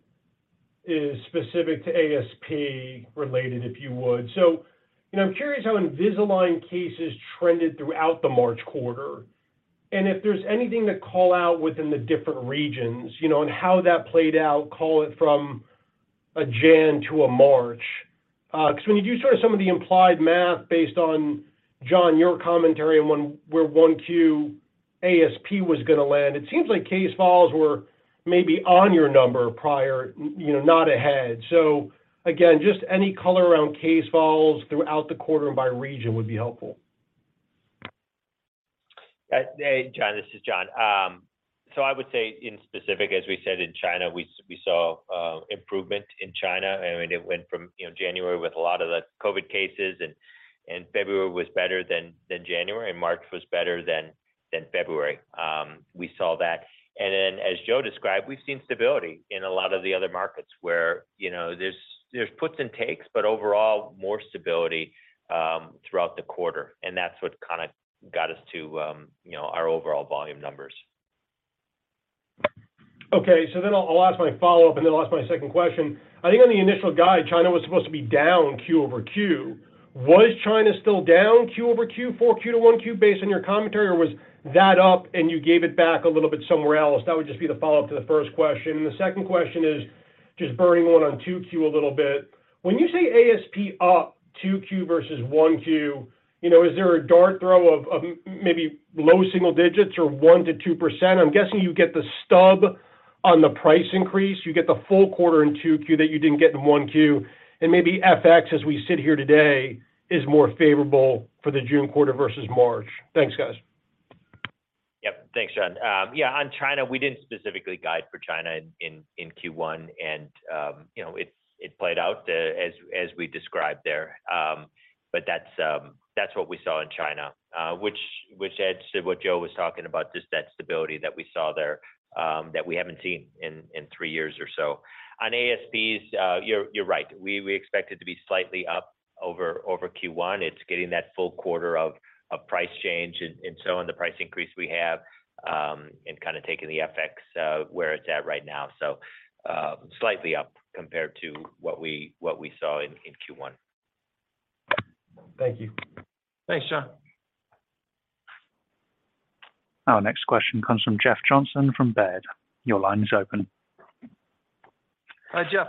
is specific to ASP related, if you would. you know, I'm curious how Invisalign cases trended throughout the March quarter, and if there's anything to call out within the different regions, you know, and how that played out, call it from a January to a March. 'cause when you do sort of some of the implied math based on, John, your commentary on where 1Q ASP was gonna land, it seems like case falls were maybe on your number prior, you know, not ahead. Again, just any color around case falls throughout the quarter and by region would be helpful. Hey, John, this is John. I would say in specific, as we said in China, we saw improvement in China, and it went from, you know, January with a lot of the COVID cases, and February was better than January, and March was better than February. We saw that. Then as Joe described, we've seen stability in a lot of the other markets where, you know, there's puts and takes, but overall more stability throughout the quarter, and that's what kind of got us to, you know, our overall volume numbers. I'll ask my follow-up, and then I'll ask my second question. I think on the initial guide, China was supposed to be down Q over Q. Was China still down Q over Q, 4Q to 1Q based on your commentary, or was that up and you gave it back a little bit somewhere else? That would just be the follow-up to the first question. The second question is just burrowing on 2Q a little bit. When you say ASP up 2Q versus 1Q, you know, is there a dart throw of maybe low single digits or 1%-2%? I'm guessing you get the stub on the price increase. You get the full quarter in 2Q that you didn't get in 1Q. Maybe FX, as we sit here today, is more favorable for the June quarter versus March. Thanks, guys. Yep. Thanks, John. Yeah, on China, we didn't specifically guide for China in, in Q1, and, you know, it played out as we described there. That's what we saw in China, which adds to what Joe was talking about, just that stability that we saw there, that we haven't seen in 3 years or so. On ASPs, you're right. We, we expect it to be slightly up over Q1. It's getting that full quarter of price change and so on the price increase we have, and kinda taking the FX where it's at right now. Slightly up compared to what we, what we saw in Q1. Thank you. Thanks, John. Our next question comes from Jeff Johnson from Baird. Your line is open. Hi, Jeff.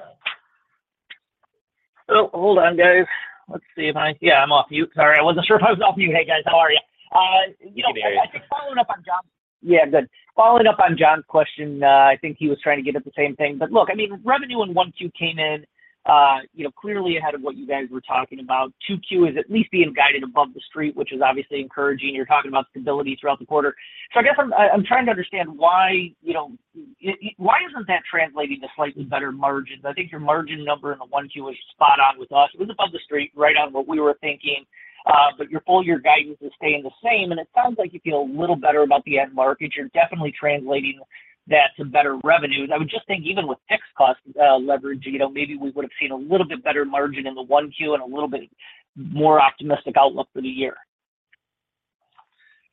Oh, hold on, guys. Let's see if I'm off mute. Sorry, I wasn't sure if I was off mute. Hey, guys. How are you? you know, I think following up on John Block's question, I think he was trying to get at the same thing. Look, I mean, revenue in Q1 came in, you know, clearly ahead of what you guys were talking about. Q2 is at least being guided above the street, which is obviously encouraging. You're talking about stability throughout the quarter. I guess I'm trying to understand why, you know, why isn't that translating to slightly better margins? I think your margin number in the Q1 was spot on with us. It was above the street, right on what we were thinking. Your full year guidance is staying the same, and it sounds like you feel a little better about the end market. You're definitely translating that to better revenues. I would just think even with fixed cost leverage, you know, maybe we would've seen a little bit better margin in the Q1 and a little bit more optimistic outlook for the year.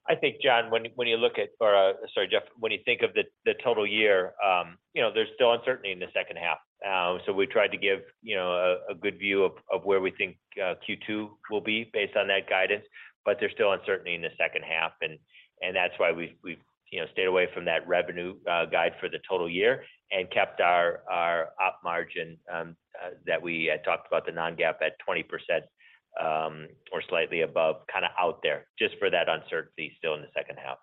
I think, John, when you look at or, sorry, Jeff, when you think of the total year, you know, there's still uncertainty in the second half. We tried to give, you know, a good view of where we think Q2 will be based on that guidance. There's still uncertainty in the second half and that's why we've, you know, stayed away from that revenue guide for the total year and kept our op margin that we had talked about the non-GAAP at 20% or slightly above kinda out there just for that uncertainty still in the second half.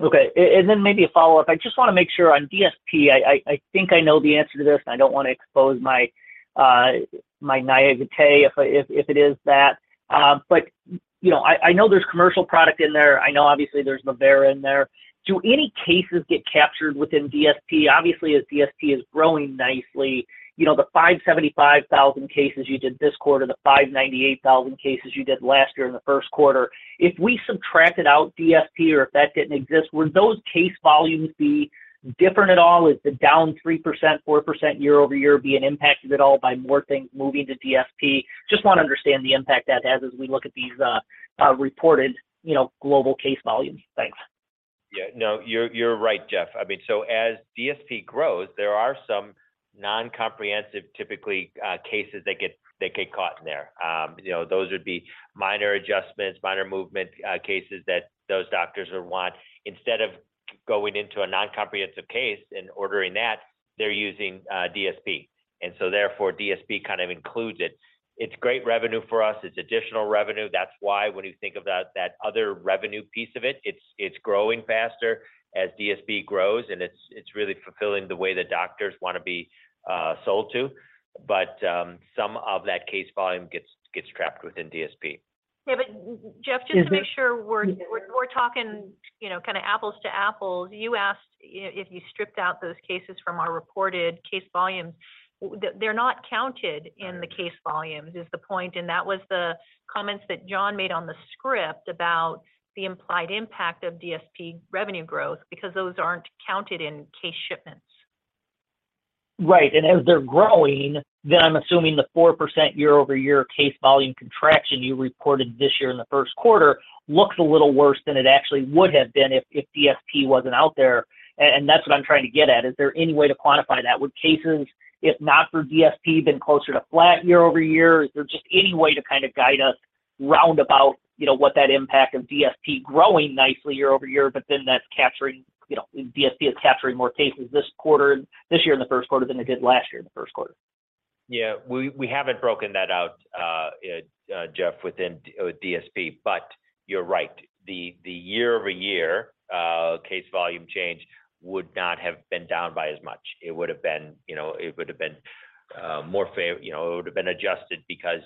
Okay. Then maybe a follow-up. I just wanna make sure on DSP, I think I know the answer to this, and I don't wanna expose my naiveté if it is that. You know, I know there's commercial product in there. I know obviously there's Vivera in there. Do any cases get captured within DSP? Obviously, as DSP is growing nicely, you know, the 575,000 cases you did this quarter, the 598,000 cases you did last year in the first quarter. If we subtracted out DSP or if that didn't exist, would those case volumes be different at all? Is the down 3%, 4% year-over-year be impacted at all by more things moving to DSP? Just wanna understand the impact that has as we look at these, reported, you know, global case volumes. Thanks. Yeah. No, you're right, Jeff. I mean, as DSP grows, there are some non-comprehensive, typically, cases that get caught in there. You know, those would be minor adjustments, minor movement, cases that those doctors would want. Instead of going into a non-comprehensive case and ordering that, they're using DSP. Therefore, DSP kind of includes it. It's great revenue for us. It's additional revenue. That's why when you think of that other revenue piece of it's growing faster as DSP grows, and it's really fulfilling the way the doctors wanna be sold to. Some of that case volume gets trapped within DSP. Yeah, Jeff. Yes. Just to make sure we're talking, you know, kinda apples to apples. You asked if you stripped out those cases from our reported case volumes. They're not counted in the case volumes, is the point, and that was the comments that John made on the script about the implied impact of DSP revenue growth because those aren't counted in case shipments. Right. As they're growing, then I'm assuming the 4% year-over-year case volume contraction you reported this year in the first quarter looks a little worse than it actually would have been if DSP wasn't out there. That's what I'm trying to get at. Is there any way to quantify that? Would cases, if not for DSP, been closer to flat year-over-year? Is there just any way to kind of guide us round about, you know, what that impact of DSP growing nicely year-over-year, but then that's capturing, you know, DSP is capturing more cases this year in the first quarter than it did last year in the first quarter? Yeah. We haven't broken that out, Jeff, within DSP, but you're right. The year-over-year case volume change would not have been down by as much. It would have been, you know, it would have been adjusted because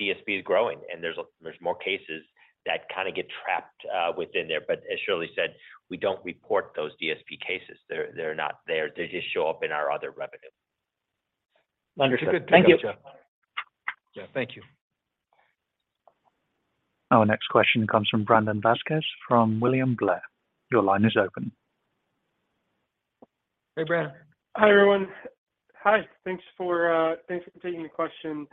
DSP is growing, and there's more cases that kinda get trapped within there. As Shirley said, we don't report those DSP cases. They're not there. They just show up in our other revenue. Understood. Thank you. It's a good point, Jeff. Yeah, thank you. Our next question comes from Brandon Vazquez from William Blair. Your line is open. Hey, Brandon. Hi, everyone. Hi. Thanks for thanks for taking the question.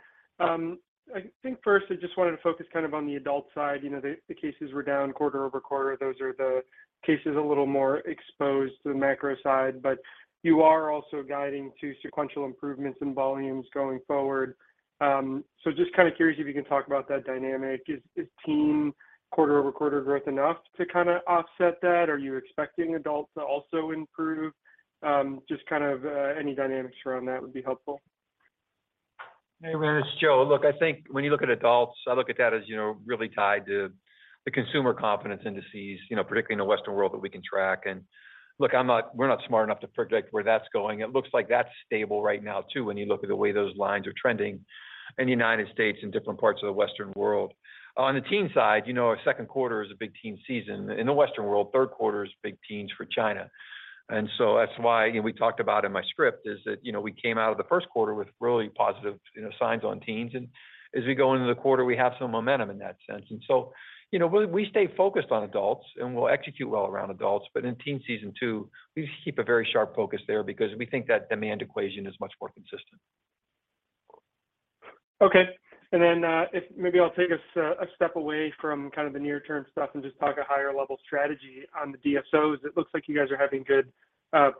I think first I just wanted to focus kind of on the adult side. You know, the cases were down quarter-over-quarter. Those are the cases a little more exposed to the macro side. You are also guiding to sequential improvements in volumes going forward. Just kinda curious if you can talk about that dynamic. Is, is teen quarter-over-quarter growth enough to kinda offset that? Are you expecting adults to also improve? Just kind of any dynamics around that would be helpful. Hey, Brandon. It's Joe. Look, I think when you look at adults, I look at that as, you know, really tied to the consumer confidence indices, you know, particularly in the Western world that we can track. Look, we're not smart enough to predict where that's going. It looks like that's stable right now, too, when you look at the way those lines are trending in the United States and different parts of the Western world. On the teen side, you know, our second quarter is a big teen season. In the Western world, third quarter is big teens for China. That's why, you know, we talked about in my script is that, you know, we came out of the first quarter with really positive, you know, signs on teens. As we go into the quarter, we have some momentum in that sense. You know, we stay focused on adults, and we'll execute well around adults. In Teen season two, we just keep a very sharp focus there because we think that demand equation is much more consistent. Okay. If maybe I'll take us a step away from kind of the near term stuff and just talk a higher level strategy on the DSOs. It looks like you guys are having good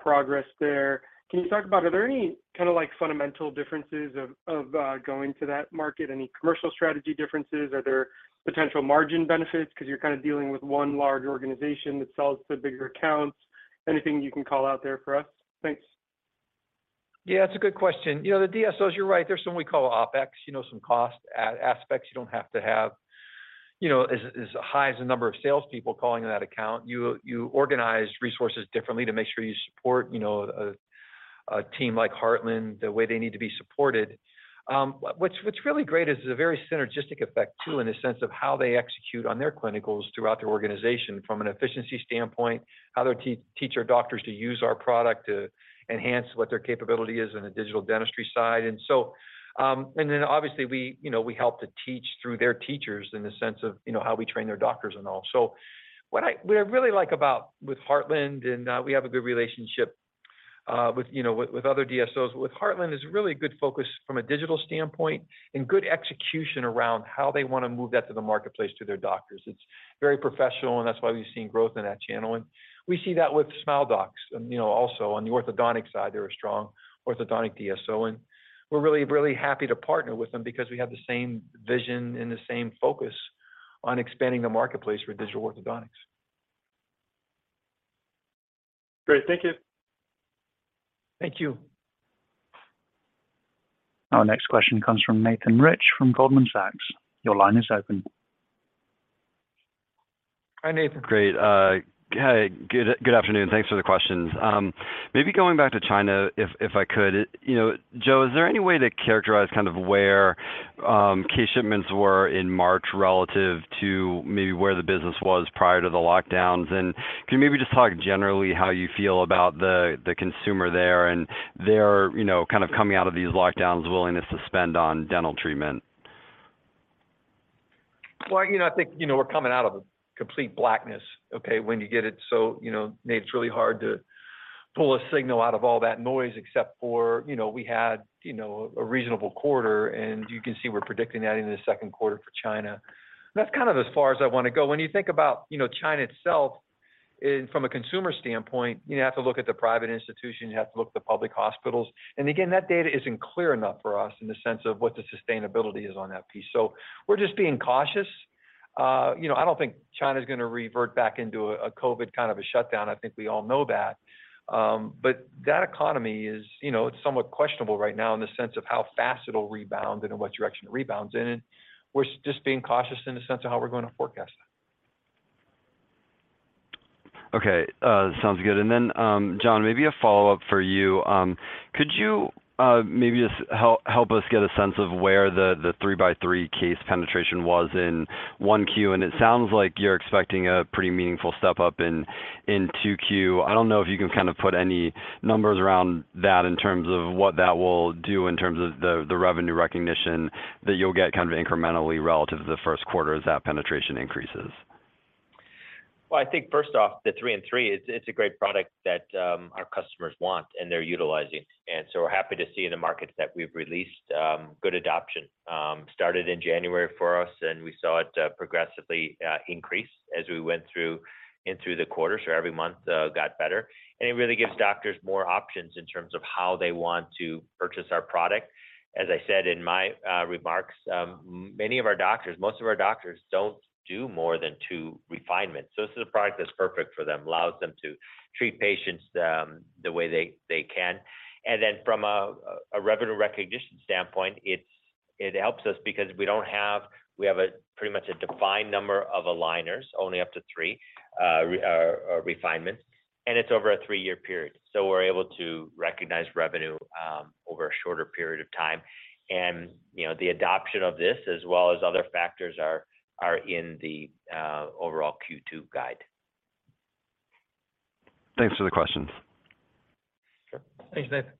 progress there. Can you talk about, are there any kind of like fundamental differences of going to that market? Any commercial strategy differences? Are there potential margin benefits 'cause you're kinda dealing with one large organization that sells to bigger accounts? Anything you can call out there for us? Thanks. Yeah, it's a good question. You know, the DSOs, you're right. There's some we call OpEx, you know, some cost aspects you don't have to have, you know, as high as the number of sales people calling on that account. You organize resources differently to make sure you support, you know, a team like Heartland the way they need to be supported. What's really great is the very synergistic effect too, in the sense of how they execute on their clinicals throughout their organization from an efficiency standpoint, how they teach our doctors to use our product to enhance what their capability is in the digital dentistry side. Obviously we, you know, we help to teach through their teachers in the sense of, you know, how we train their doctors and all. What I really like about with Heartland, and we have a good relationship. With, you know, with other DSOs. With Heartland, there's really good focus from a digital standpoint and good execution around how they wanna move that to the marketplace to their doctors. It's very professional, and that's why we've seen growth in that channel. We see that with Smile Doctors. You know, also on the orthodontic side, they're a strong orthodontic DSO. We're really happy to partner with them because we have the same vision and the same focus on expanding the marketplace for digital orthodontics. Great. Thank you. Thank you. Our next question comes from Nathan Rich from Goldman Sachs. Your line is open. Hi, Nathan. Great. Hey, good afternoon. Thanks for the questions. Maybe going back to China, if I could. You know, Joe, is there any way to characterize kind of where case shipments were in March relative to maybe where the business was prior to the lockdowns? Can you maybe just talk generally how you feel about the consumer there and their, you know, kind of coming out of these lockdowns willingness to spend on dental treatment? Well, you know, I think, you know, we're coming out of complete blackness, okay? When you get it so, you know, Nate, it's really hard to pull a signal out of all that noise except for, you know, we had, you know, a reasonable quarter, and you can see we're predicting that into the second quarter for China. That's kind of as far as I wanna go. When you think about, you know, China itself from a consumer standpoint, you have to look at the private institution, you have to look at the public hospitals. Again, that data isn't clear enough for us in the sense of what the sustainability is on that piece. We're just being cautious. You know, I don't think China's gonna revert back into a COVID kind of a shutdown. I think we all know that. That economy is, you know, it's somewhat questionable right now in the sense of how fast it'll rebound and in what direction it rebounds in. We're just being cautious in the sense of how we're gonna forecast that. Okay. sounds good. John, maybe a follow-up for you. Could you maybe just help us get a sense of where the 3-3 case penetration was in 1Q? It sounds like you're expecting a pretty meaningful step up in 2Q. I don't know if you can kind of put any numbers around that in terms of what that will do in terms of the revenue recognition that you'll get kind of incrementally relative to the first quarter as that penetration increases. I think first off, the 3-3, it's a great product that our customers want and they're utilizing. We're happy to see in the markets that we've released good adoption. Started in January for us, and we saw it progressively increase as we went through the quarter. Every month got better. It really gives doctors more options in terms of how they want to purchase our product. As I said in my remarks, most of our doctors don't do more than two refinements. This is a product that's perfect for them, allows them to treat patients the way they can. From a revenue recognition standpoint, it helps us because we have a pretty much a defined number of aligners, only up to 3 or refinements, and it's over a 3-year period. We're able to recognize revenue over a shorter period of time. You know, the adoption of this, as well as other factors are in the overall Q2 guide. Thanks for the questions. Sure. Thanks, Nathan.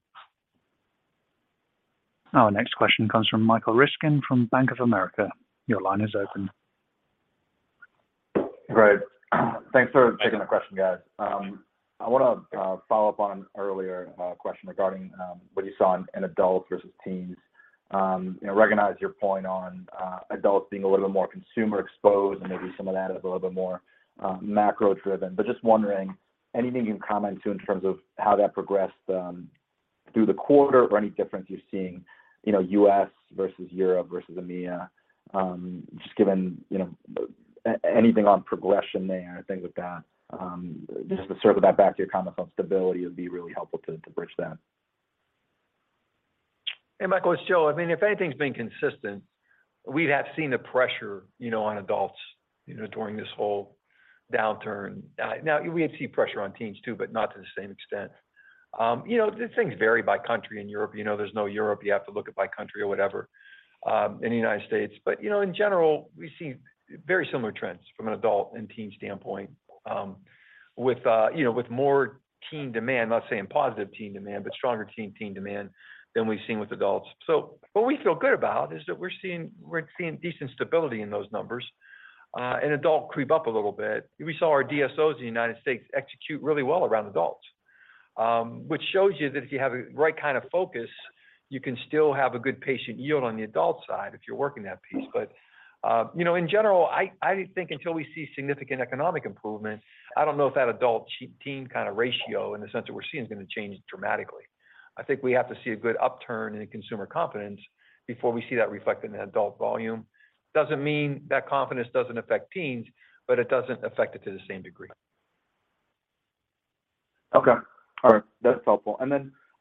Our next question comes from Michael Ryskin from Bank of America. Your line is open. Right. Thanks for taking the question, guys. I wanna follow up on earlier question regarding what you saw in adults versus teens. You know, recognize your point on adults being a little bit more consumer exposed, and maybe some of that is a little bit more macro-driven. Just wondering, anything you can comment to in terms of how that progressed through the quarter or any difference you're seeing, you know, U.S. versus Europe versus EMEA, just given, you know, anything on progression there, things like that. To circle that back to your comments on stability would be really helpful to bridge that. Hey, Michael Ryskin, it's Joe Hogan. I mean, if anything's been consistent, we'd have seen the pressure, you know, on adults, you know, during this whole downturn. Now we have seen pressure on teens, too, but not to the same extent. You know, these things vary by country. In Europe, you know, there's no Europe, you have to look at by country or whatever, in the United States. In general, we've seen very similar trends from an adult and teen standpoint, with, you know, with more teen demand. I'm not saying positive teen demand, but stronger teen demand than we've seen with adults. What we feel good about is that we're seeing decent stability in those numbers, and adult creep up a little bit. We saw our DSOs in the United States execute really well around adults, which shows you that if you have the right kind of focus, you can still have a good patient yield on the adult side if you're working that piece. You know, in general, I think until we see significant economic improvement, I don't know if that adult-teen kind of ratio in the sense that we're seeing is gonna change dramatically. I think we have to see a good upturn in consumer confidence before we see that reflect in the adult volume. Doesn't mean that confidence doesn't affect teens, but it doesn't affect it to the same degree. Okay. All right. That's helpful.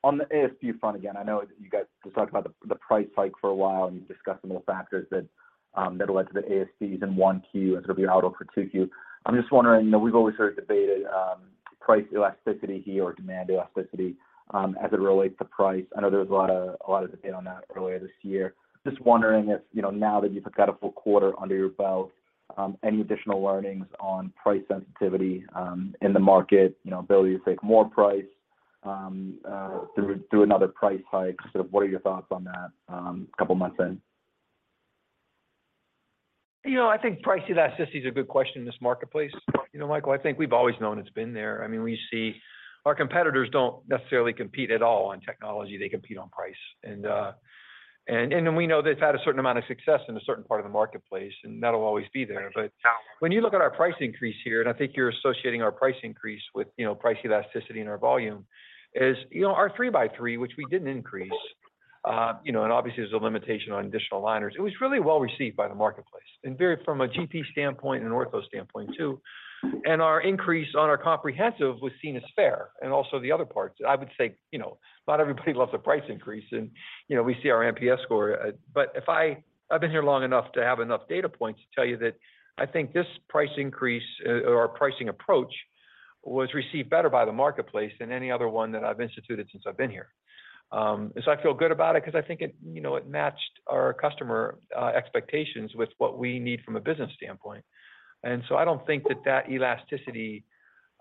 On the ASP front, again, I know you guys just talked about the price hike for a while, and you've discussed some of the factors that led to the ASPs in 1Q and sort of your outlook for 2Q. I'm just wondering, you know, we've always sort of debated price elasticity here or demand elasticity as it relates to price. I know there was a lot of debate on that earlier this year. Just wondering if, you know, now that you've got a full quarter under your belt, any additional learnings on price sensitivity in the market, you know, ability to take more price through another price hike? Sort of what are your thoughts on that couple months in? You know, I think price elasticity is a good question in this marketplace. You know, Michael, I think we've always known it's been there. I mean, we see our competitors don't necessarily compete at all on technology. They compete on price. Then we know they've had a certain amount of success in a certain part of the marketplace, and that'll always be there. When you look at our price increase here, and I think you're associating our price increase with, you know, price elasticity in our volume is, you know, our 3-3, which we didn't increase, you know, and obviously there's a limitation on additional liners. It was really well received by the marketplace and very from a GP standpoint and an ortho standpoint too. Our increase on our Comprehensive was seen as fair. Also the other parts, I would say, you know, not everybody loves a price increase and, you know, we see our NPS score. If I've been here long enough to have enough data points to tell you that I think this price increase or our pricing approach was received better by the marketplace than any other one that I've instituted since I've been here. I feel good about it because I think it, you know, it matched our customer expectations with what we need from a business standpoint. I don't think that that elasticity,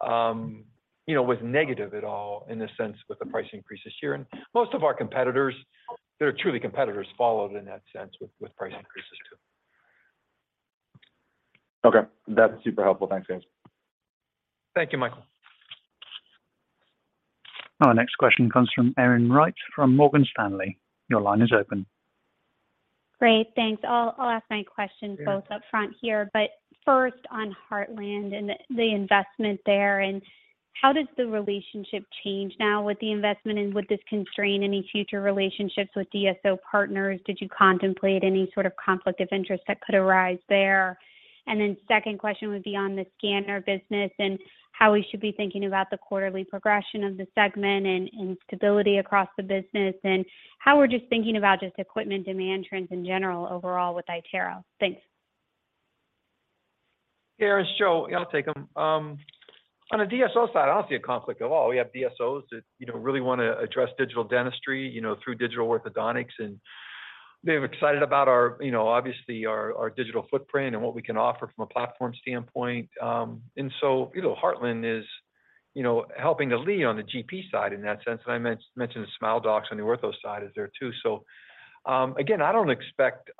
you know, was negative at all in the sense with the price increase this year. Most of our competitors that are truly competitors followed in that sense with price increases too. Okay. That's super helpful. Thanks, guys. Thank you, Michael. Our next question comes from Erin Wright from Morgan Stanley. Your line is open. Great. Thanks. I'll ask my question both up front here, but first on Heartland and the investment there, and how does the relationship change now with the investment, and would this constrain any future relationships with DSO partners? Did you contemplate any sort of conflict of interest that could arise there? Second question would be on the scanner business and how we should be thinking about the quarterly progression of the segment and stability across the business. How we're just thinking about just equipment demand trends in general overall with iTero. Thanks. Yeah, it's Joe. I'll take them. On the DSO side, I don't see a conflict at all. We have DSOs that, you know, really want to address digital dentistry, you know, through digital orthodontics, and they're excited about our, you know, obviously our digital footprint and what we can offer from a platform standpoint. Heartland is, you know, helping to lead on the GP side in that sense. I mentioned Smile Doctors on the ortho side is there too. again, I don't expect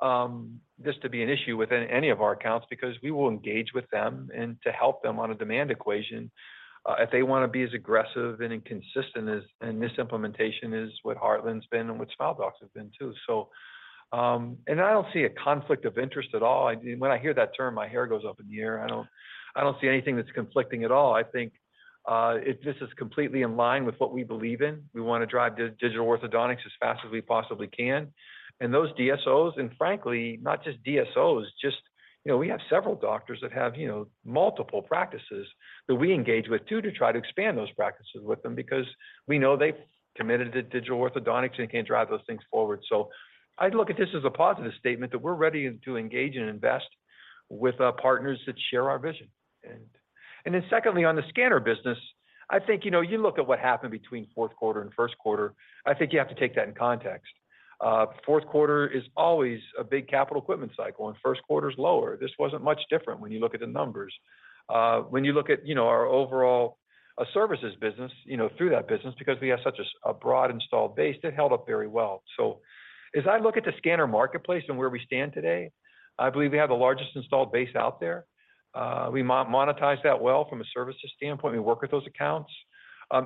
this to be an issue within any of our accounts because we will engage with them and to help them on a demand equation, if they want to be as aggressive and consistent as this implementation is what Heartland's been and what Smile Doctors have been too. I don't see a conflict of interest at all. When I hear that term, my hair goes up in the air. I don't see anything that's conflicting at all. I think this is completely in line with what we believe in. We want to drive digital orthodontics as fast as we possibly can. Those DSOs, and frankly, not just DSOs, just, you know, we have several doctors that have, you know, multiple practices that we engage with too, to try to expand those practices with them because we know they've committed to digital orthodontics and can drive those things forward. I look at this as a positive statement that we're ready to engage and invest with our partners that share our vision. Then secondly, on the scanner business, I think, you know, you look at what happened between fourth quarter and first quarter. I think you have to take that in context. Fourth quarter is always a big capital equipment cycle, and first quarter is lower. This wasn't much different when you look at the numbers. When you look at, you know, our overall, services business, you know, through that business, because we have such a broad installed base, it held up very well. As I look at the scanner marketplace and where we stand today, I believe we have the largest installed base out there. We monetize that well from a services standpoint. We work with those accounts.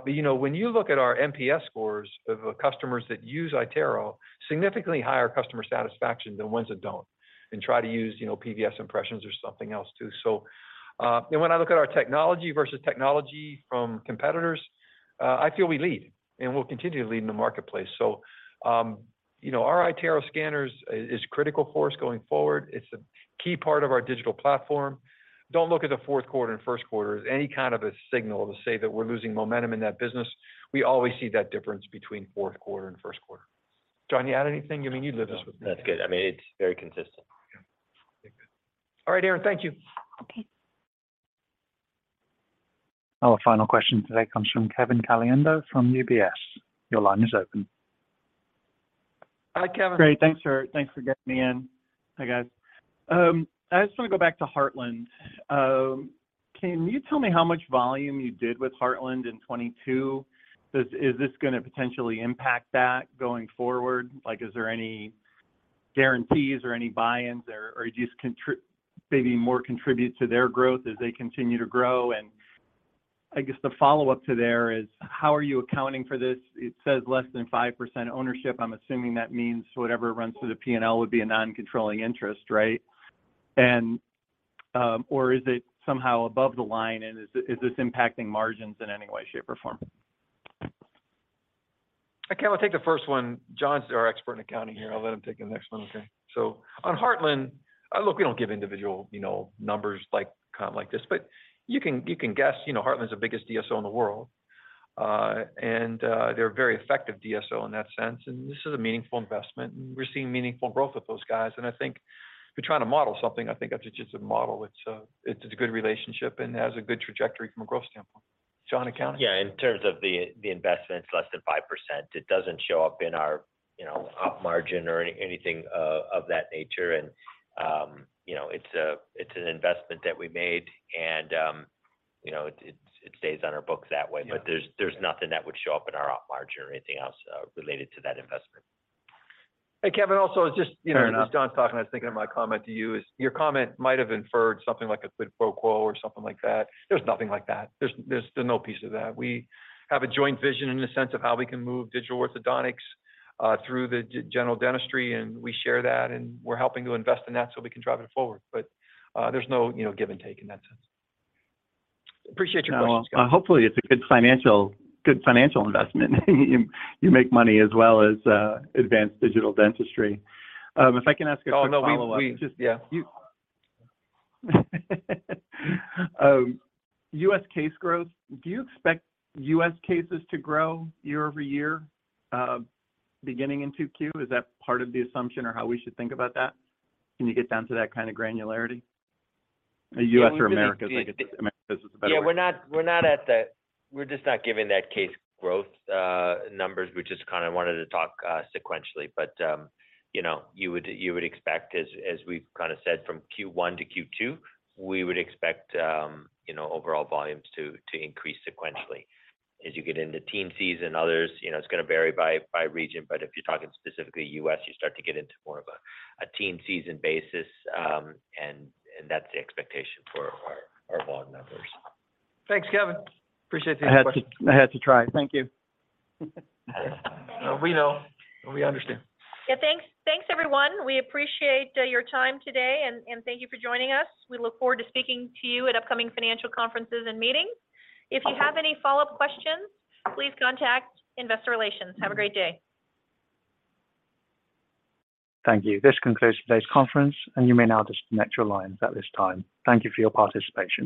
You know, when you look at our NPS scores of customers that use iTero, significantly higher customer satisfaction than ones that don't and try to use, you know, PVS impressions or something else too. And when I look at our technology versus technology from competitors, I feel we lead and we'll continue to lead in the marketplace. You know, our iTero scanners is critical for us going forward. It's a key part of our digital platform. Don't look at the fourth quarter and first quarter as any kind of a signal to say that we're losing momentum in that business. We always see that difference between fourth quarter and first quarter. John, you add anything? I mean, you live this with me. No. That's good. I mean, it's very consistent. Yeah. Very good. All right, Erin. Thank you. Okay. Our final question today comes from Kevin Caliendo from UBS. Your line is open. Hi, Kevin. Great. Thanks for getting me in. Hi, guys. I just want to go back to Heartland. Can you tell me how much volume you did with Heartland in 22? Is this going to potentially impact that going forward? Like, is there any guarantees or any buy-ins or just maybe more contribute to their growth as they continue to grow? I guess the follow-up to there is, how are you accounting for this? It says less than 5% ownership. I'm assuming that means whatever runs through the P&L would be a non-controlling interest, right? Or is it somehow above the line? Is this impacting margins in any way, shape, or form? Kevin, I'll take the first one. John's our expert in accounting here. I'll let him take the next one. Okay. On Heartland, look, we don't give individual, you know, numbers like, kind of like this, but you can guess, you know, Heartland's the biggest DSO in the world. They're a very effective DSO in that sense. This is a meaningful investment, and we're seeing meaningful growth with those guys. I think if you're trying to model something, I think that's just a model. It's a good relationship and has a good trajectory from a growth standpoint. John, accounting. Yeah. In terms of the investment, it's less than 5%. It doesn't show up in our, you know, op margin or anything of that nature. You know, it's a, it's an investment that we made. You know, it stays on our books that way. Yeah. There's nothing that would show up in our op margin or anything else, related to that investment. Hey, Kevin, also. Fair enough. you know, as John's talking I was thinking of my comment to you is your comment might have inferred something like a quid pro quo or something like that. There's nothing like that. There's no piece of that. We have a joint vision in the sense of how we can move digital orthodontics through the general dentistry and we share that and we're helping to invest in that so we can drive it forward. There's no, you know, give and take in that sense. Appreciate your question, Scott. hopefully it's a good financial investment. You make money as well as advance digital dentistry. If I can ask a quick follow-up. Oh, no, we, yeah. Just you U.S. case growth, do you expect U.S. cases to grow year-over-year, beginning in 2Q? Is that part of the assumption or how we should think about that? Can you get down to that kind of granularity? Yeah, we really-. U.S. or Americas, I guess. Americas is the better way. Yeah. We're just not giving that case growth numbers. We just kind of wanted to talk sequentially. You know, you would expect as we've kind of said from Q1 to Q2, we would expect overall volumes to increase sequentially. As you get into teen season, others, you know, it's gonna vary by region, but if you're talking specifically US, you start to get into more of a teen season basis. And that's the expectation for our volume numbers. Thanks, Kevin. Appreciate taking the question. I had to, I had to try. Thank you. We know. We understand. Yeah. Thanks. Thanks, everyone. We appreciate your time today and thank you for joining us. We look forward to speaking to you at upcoming financial conferences and meetings. If you have any follow-up questions, please contact investor relations. Have a great day. Thank you. This concludes today's conference. You may now disconnect your lines at this time. Thank you for your participation.